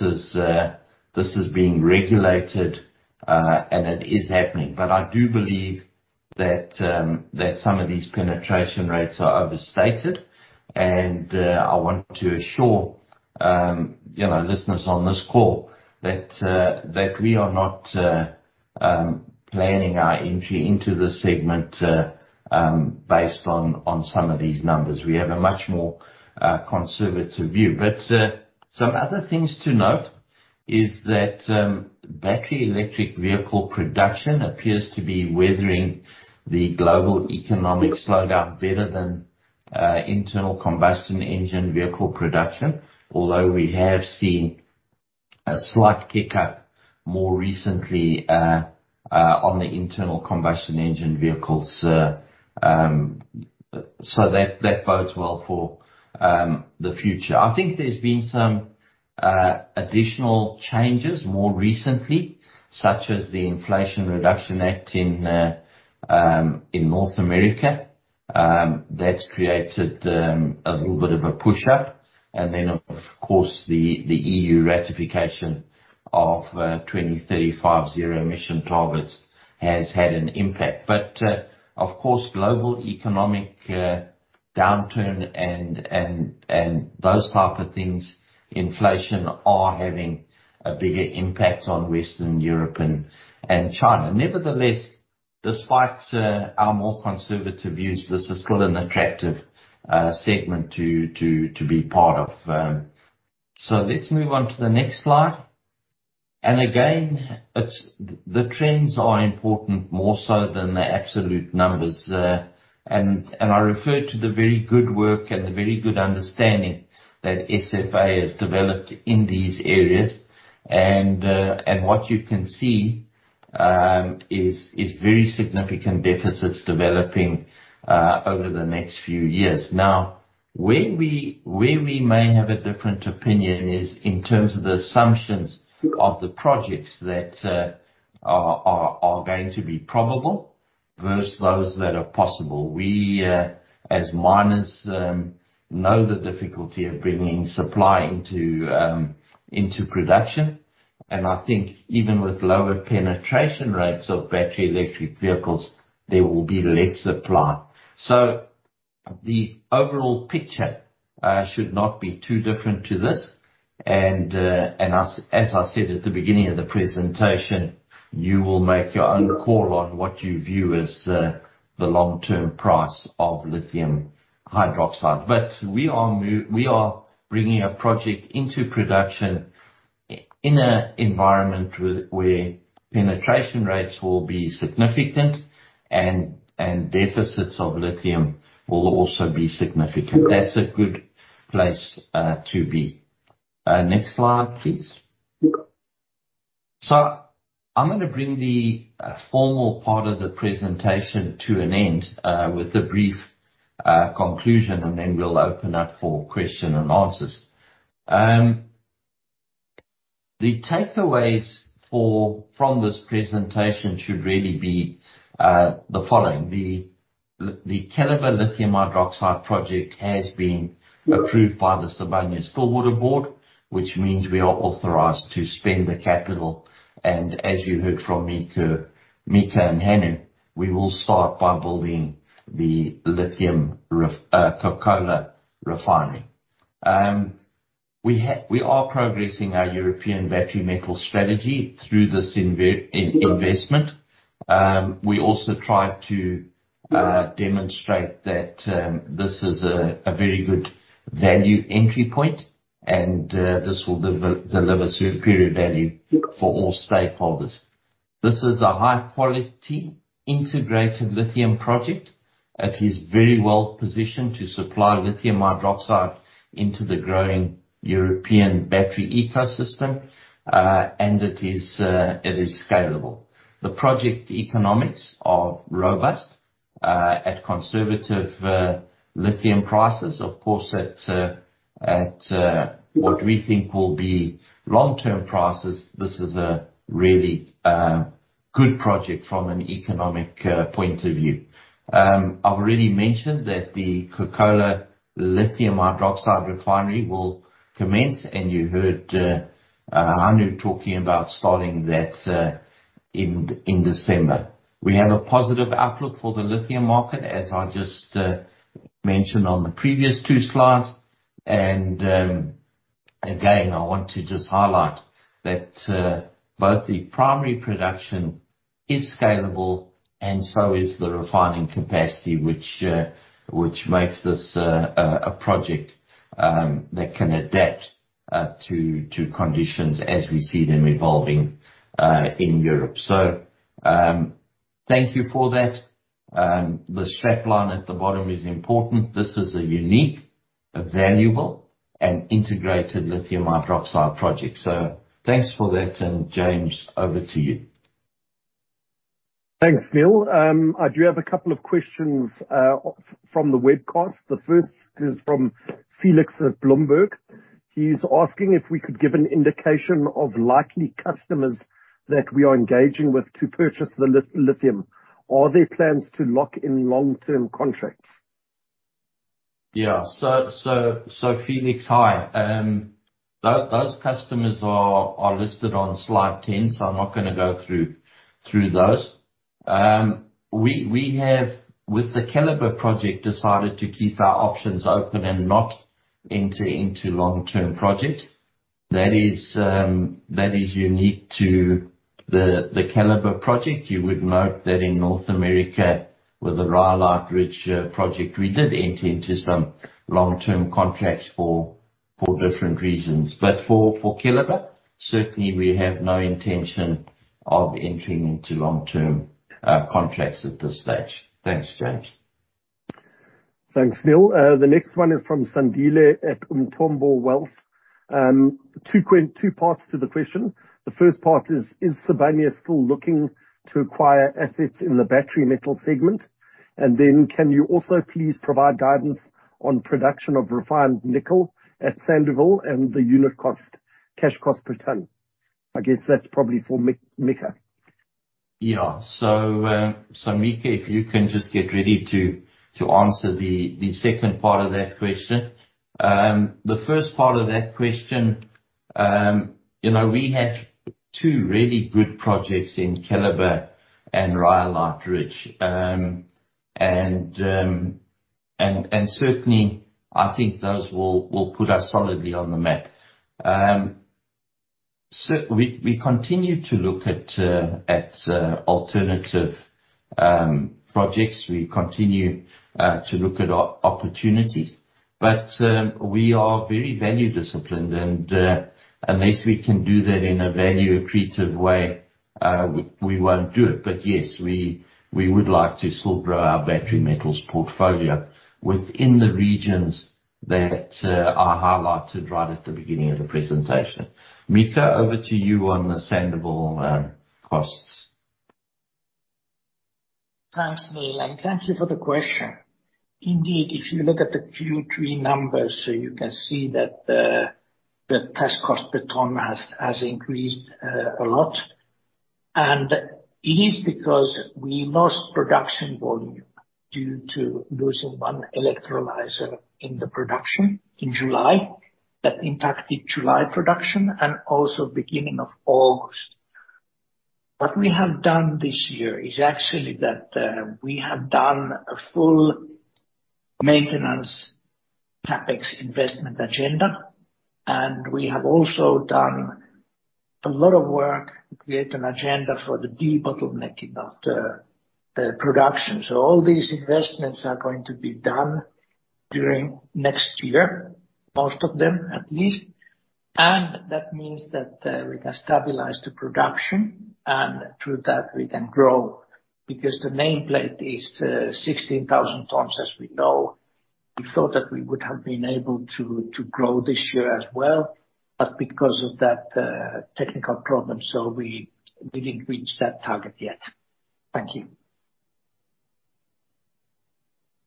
is being regulated and it is happening. I do believe that some of these penetration rates are overstated. I want to assure, you know, listeners on this call that we are not planning our entry into this segment based on some of these numbers. We have a much more conservative view. Some other things to note is that battery electric vehicle production appears to be weathering the global economic slowdown better than internal combustion engine vehicle production. Although we have seen a slight kick up more recently on the internal combustion engine vehicles. That bodes well for the future. I think there's been some additional changes more recently, such as the Inflation Reduction Act in North America. That's created a little bit of a push up. Of course, the EU ratification of 2035 zero emission targets has had an impact. Of course, global economic downturn and those type of things, inflation are having a bigger impact on Western Europe and China. Nevertheless, despite our more conservative views, this is still an attractive segment to be part of. Let's move on to the next slide. Again, the trends are important, more so than the absolute numbers there. I refer to the very good work and the very good understanding that SFA has developed in these areas. What you can see is very significant deficits developing over the next few years. Now, where we may have a different opinion is in terms of the assumptions of the projects that are going to be probable versus those that are possible. We, as miners, know the difficulty of bringing supply into production. I think even with lower penetration rates of battery electric vehicles, there will be less supply. The overall picture should not be too different to this. As I said at the beginning of the presentation, you will make your own call on what you view as the long-term price of lithium hydroxide. We are bringing a project into production in a environment where penetration rates will be significant and deficits of lithium will also be significant. That's a good place to be. Next slide, please. I'm gonna bring the formal part of the presentation to an end with a brief conclusion, and then we'll open up for question and answers. The takeaways from this presentation should really be the following. The Keliber lithium hydroxide project has been approved by the Sibanye-Stillwater board, which means we are authorized to spend the capital. As you heard from Mika and Hannu, we will start by building the lithium Kokkola refinery. We are progressing our European battery metal strategy through this investment. We also tried to demonstrate that this is a very good value entry point, and this will deliver superior value for all stakeholders. This is a high quality integrated lithium project that is very well positioned to supply lithium hydroxide into the growing European battery ecosystem. It is scalable. The project economics are robust at conservative lithium prices. Of course, at what we think will be long-term prices, this is a really good project from an economic point of view. I've already mentioned that the Kokkola lithium hydroxide refinery will commence, and you heard Hannu talking about starting that in December. We have a positive outlook for the lithium market, as I just mentioned on the previous two slides. Again, I want to just highlight that both the primary production is scalable, and so is the refining capacity, which makes this a project that can adapt to conditions as we see them evolving in Europe. Thank you for that. The strap line at the bottom is important. This is a unique, a valuable and integrated lithium hydroxide project. Thanks for that. James, over to you. Thanks, Neal. I do have a couple of questions from the webcast. The first is from Felix at Bloomberg. He's asking if we could give an indication of likely customers that we are engaging with to purchase the lithium. Are there plans to lock in long-term contracts? Yeah. Felix, hi. Those customers are listed on slide 10, so I'm not gonna go through those. We have, with the Keliber project, decided to keep our options open and not enter into long-term projects. That is unique to the Keliber project. You would note that in North America, with the Rhyolite Ridge project, we did enter into some long-term contracts for different reasons. For Keliber, certainly we have no intention of entering into long-term contracts at this stage. Thanks, James. Thanks, Neal. The next one is from Sandile at Umthombo Wealth. Two parts to the question. The first part, is Sibanye still looking to acquire assets in the battery metal segment? Can you also please provide guidance on production of refined nickel at Sandouville and the unit cost, cash cost per ton? I guess that's probably for Mika. Mika, if you can just get ready to answer the second part of that question. The first part of that question, you know, we have two really good projects in Keliber and Rhyolite Ridge. and certainly, I think those will put us solidly on the map. we continue to look at alternative projects. We continue to look at opportunities. we are very value-disciplined and unless we can do that in a value accretive way, we won't do it. Yes, we would like to still grow our battery metals portfolio within the regions that are highlighted right at the beginning of the presentation. Mika, over to you on the Sandouville costs. Thanks, Neal. Thank you for the question. Indeed, if you look at the Q3 numbers, you can see that the test cost per ton has increased a lot. It is because we lost production volume due to losing one electrolyzer in the production in July, that impacted July production and also beginning of August. What we have done this year is actually that we have done a full maintenance CapEx investment agenda, and we have also done a lot of work to create an agenda for the de-bottlenecking of the production. All these investments are going to be done during next year, most of them at least. That means that we can stabilize the production, and through that we can grow. The nameplate is 16,000 tons as we know. We thought that we would have been able to grow this year as well, but because of that, technical problem, so we didn't reach that target yet. Thank you.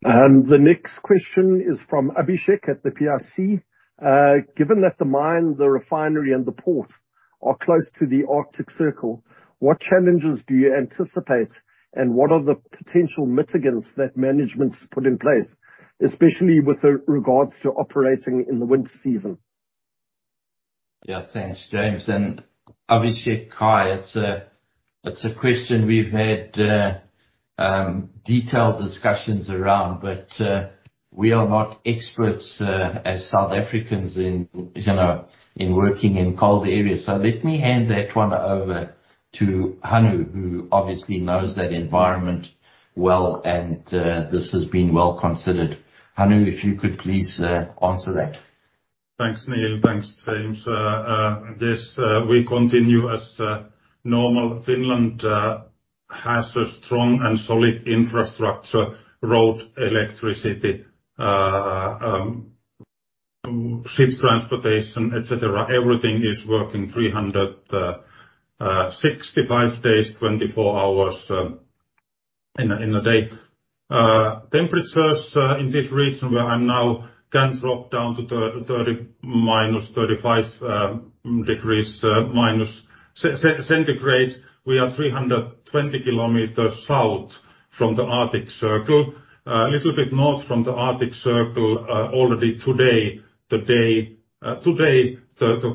The next question is from Abhishek at the PRC. Given that the mine, the refinery, and the port are close to the Arctic Circle, what challenges do you anticipate, and what are the potential mitigants that management's put in place, especially with regards to operating in the winter season? Yeah. Thanks, James. Abhishek, hi. It's a question we've had detailed discussions around. We are not experts, as South Africans in, you know, in working in cold areas. Let me hand that one over to Hannu, who obviously knows that environment well, and this has been well considered. Hannu, if you could please answer that. Thanks, Neal. Thanks, James. This, we continue as normal. Finland has a strong and solid infrastructure: road, electricity, ship transportation, et cetera. Everything is working 365 days, 24 hours in a day. Temperatures in this region where I'm now can drop down to -35 degrees centigrade. We are 320 km south from the Arctic Circle. A little bit north from the Arctic Circle, already today, the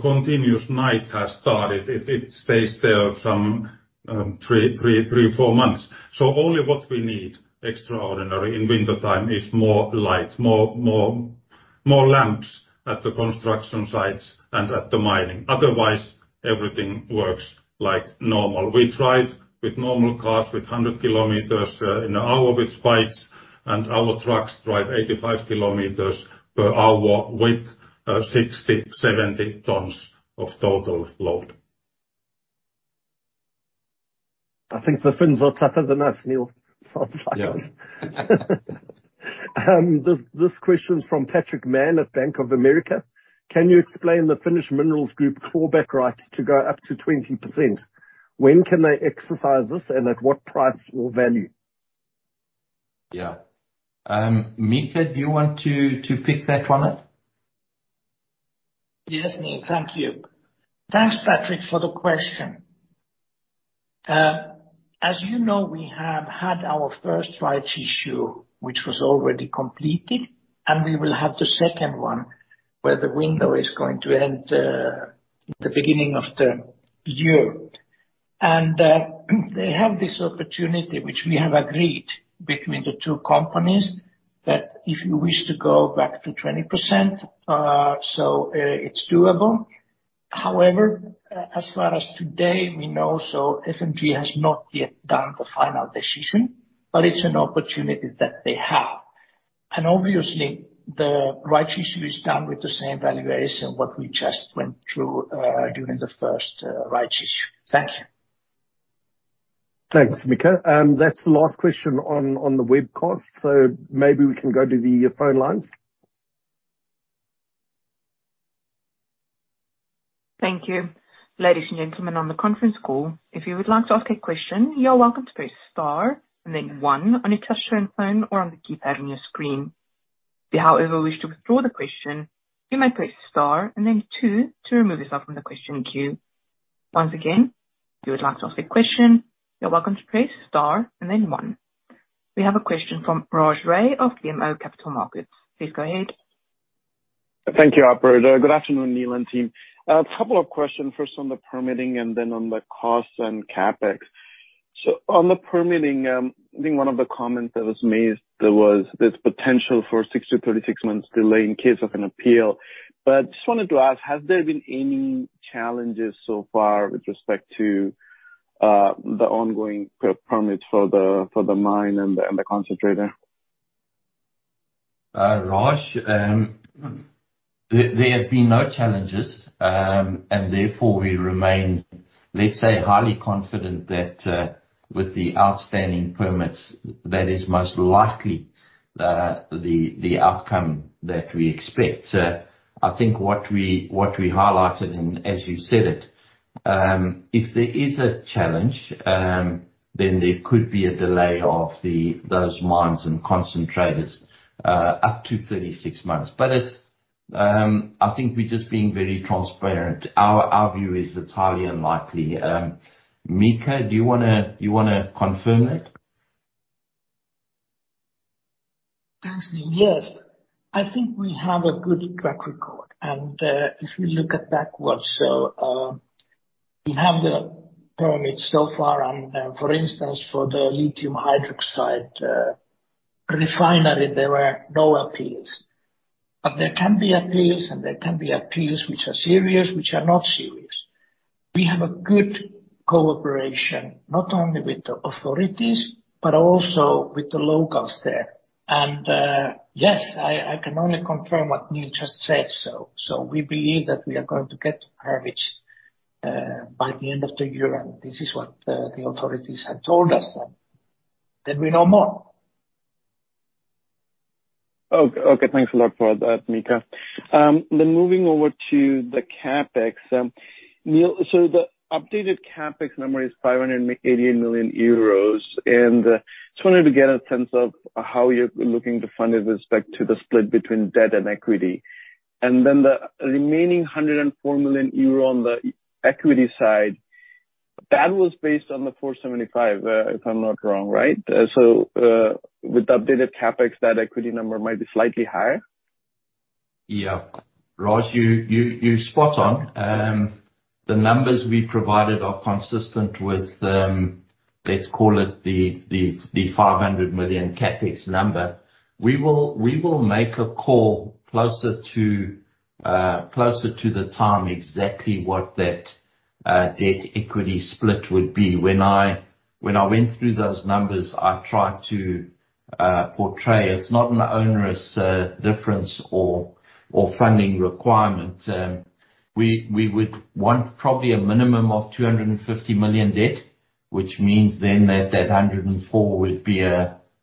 continuous night has started. It stays there some three, four months. Only what we need extraordinary in wintertime is more light, more lamps at the construction sites and at the mining. Otherwise, everything works like normal. We tried with normal cars with 100 km in an hour with spikes, and our trucks drive 85 km per hour with 60, 70 tons of total load. I think the Finns are tougher than us, Neal. Sounds like it. Yeah. This question is from Patrick Mann at Bank of America. Can you explain the Finnish Minerals Group clawback right to go up to 20%? When can they exercise this, and at what price or value? Yeah. Mika, do you want to pick that one up? Yes, Neal. Thank you. Thanks, Patrick, for the question. As you know, we have had our first rights issue, which was already completed, and we will have the second one where the window is going to end the beginning of the year. We have this opportunity, which we have agreed between the two companies, that if you wish to go back to 20%, it's doable. However, as far as today, we know so FMG has not yet done the final decision, but it's an opportunity that they have. Obviously, the rights issue is done with the same valuation what we just went through during the first rights issue. Thank you. Thanks, Mika. That's the last question on the webcast. Maybe we can go to the phone lines. Thank you. Ladies and gentlemen on the conference call, if you would like to ask a question, you're welcome to press star and then one on your touch-tone phone or on the keypad on your screen. If you, however, wish to withdraw the question, you may press star and then two to remove yourself from the question queue. Once again, if you would like to ask a question, you're welcome to press star and then one. We have a question from Raj Ray of BMO Capital Markets. Please go ahead. Thank you, operator. Good afternoon, Neal and team. A couple of questions first on the permitting and then on the costs and CapEx. On the permitting, I think one of the comments that was made there was this potential for six to 6 months delay in case of an appeal. Just wanted to ask, has there been any challenges so far with respect to the ongoing permits for the mine and the concentrator? Raj, there have been no challenges, and therefore we remain, let's say, highly confident that with the outstanding permits that is most likely the outcome that we expect. I think what we highlighted, and as you said it, if there is a challenge, then there could be a delay of those mines and concentrators up to 36 months. I think we're just being very transparent. Our view is it's highly unlikely. Mika, do you wanna confirm that? Thanks, Neal. Yes, I think we have a good track record and, if you look at backwards, so, we have the permits so far and, for instance, for the lithium hydroxide refinery, there were no appeals. There can be appeals, and there can be appeals which are serious, which are not serious. We have a good cooperation, not only with the authorities but also with the locals there. Yes, I can only confirm what Neal just said, so we believe that we are going to get permits by the end of the year. This is what the authorities have told us, then we know more. Okay. Thanks a lot for that, Mika. Moving over to the CapEx. Neal, so the updated CapEx number is 588 million euros. Just wanted to get a sense of how you're looking to fund it with respect to the split between debt and equity. The remaining 104 million euro on the equity side, that was based on the 475, if I'm not wrong, right? With the updated CapEx, that equity number might be slightly higher. Yeah. Raj, you're spot on. The numbers we provided are consistent with, let's call it the 500 million CapEx number. We will make a call closer to the time exactly what that debt equity split would be. When I went through those numbers, I tried to portray it's not an onerous difference or funding requirement. We would want probably a minimum of 250 million debt, which means then that 104 would be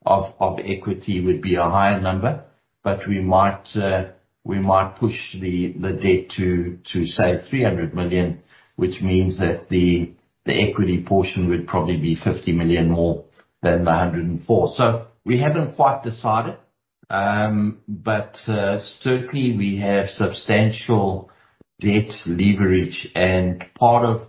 of equity would be a higher number, but we might push the debt to say 300 million, which means that the equity portion would probably be 50 million more than the 104. We haven't quite decided, but certainly we have substantial debt leverage. Part of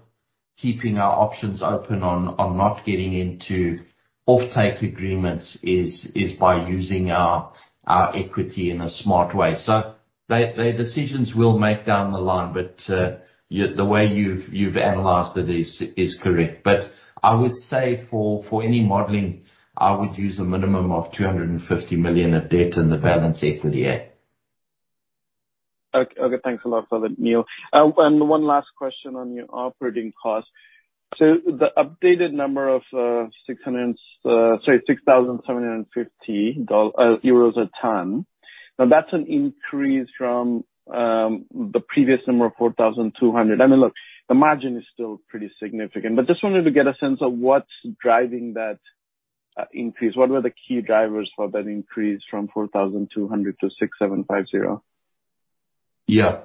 keeping our options open on not getting into offtake agreements is by using our equity in a smart way. They decisions we'll make down the line, but the way you've analyzed it is correct. I would say for any modeling, I would use a minimum of 250 million of debt in the balance equity, yeah. Okay. Thanks a lot for that, Neal. One last question on your operating costs. The updated number of 6,750 euros a ton, now that's an increase from the previous number of 4,200. I mean, look, the margin is still pretty significant, but just wanted to get a sense of what's driving that increase. What were the key drivers for that increase from 4,200 to 6,750? Yeah.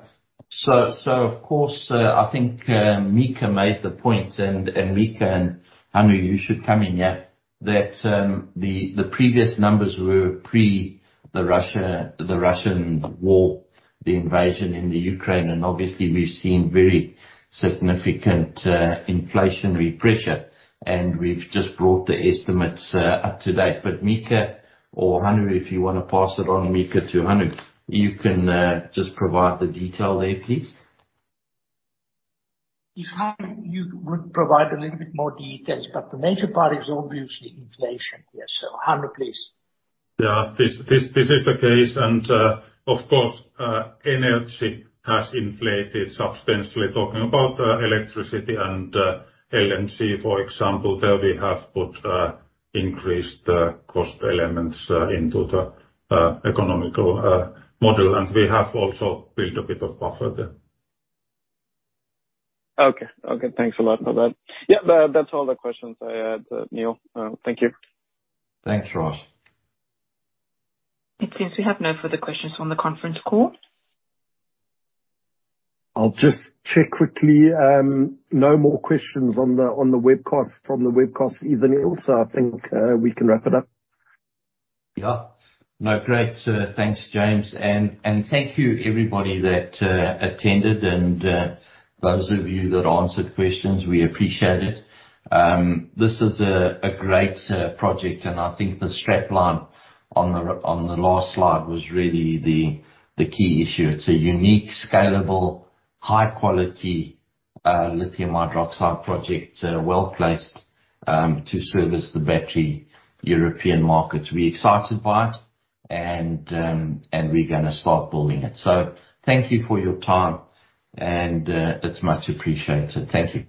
Of course, I think Mika made the point, and Mika and Hannu, you should come in here, that the previous numbers were pre the Russian war, the invasion in the Ukraine, and obviously we've seen very significant inflationary pressure, and we've just brought the estimates up to date. Mika or Hannu, if you wanna pass it on, Mika to Hannu, you can just provide the detail there, please. If Hannu, you would provide a little bit more details, but the major part is obviously inflation. Yeah. Hannu, please. Yeah. This is the case and of course, energy has inflated substantially, talking about electricity and LMC, for example. There we have put increased cost elements into the economical model, and we have also built a bit of buffer there. Okay. Okay. Thanks a lot for that. Yeah. That, that's all the questions I had, Neal. Thank you. Thanks, Raj. It seems we have no further questions from the conference call. I'll just check quickly. No more questions on the, on the webcast, from the webcast either, Neal, so I think, we can wrap it up. Yeah. No, great. Thanks, James. Thank you everybody that attended and those of you that answered questions, we appreciate it. This is a great project, and I think the strap line on the last slide was really the key issue. It's a unique, scalable, high quality lithium hydroxide project. It's well-placed to service the battery European markets. We're excited by it and we're gonna start building it. Thank you for your time and it's much appreciated. Thank you.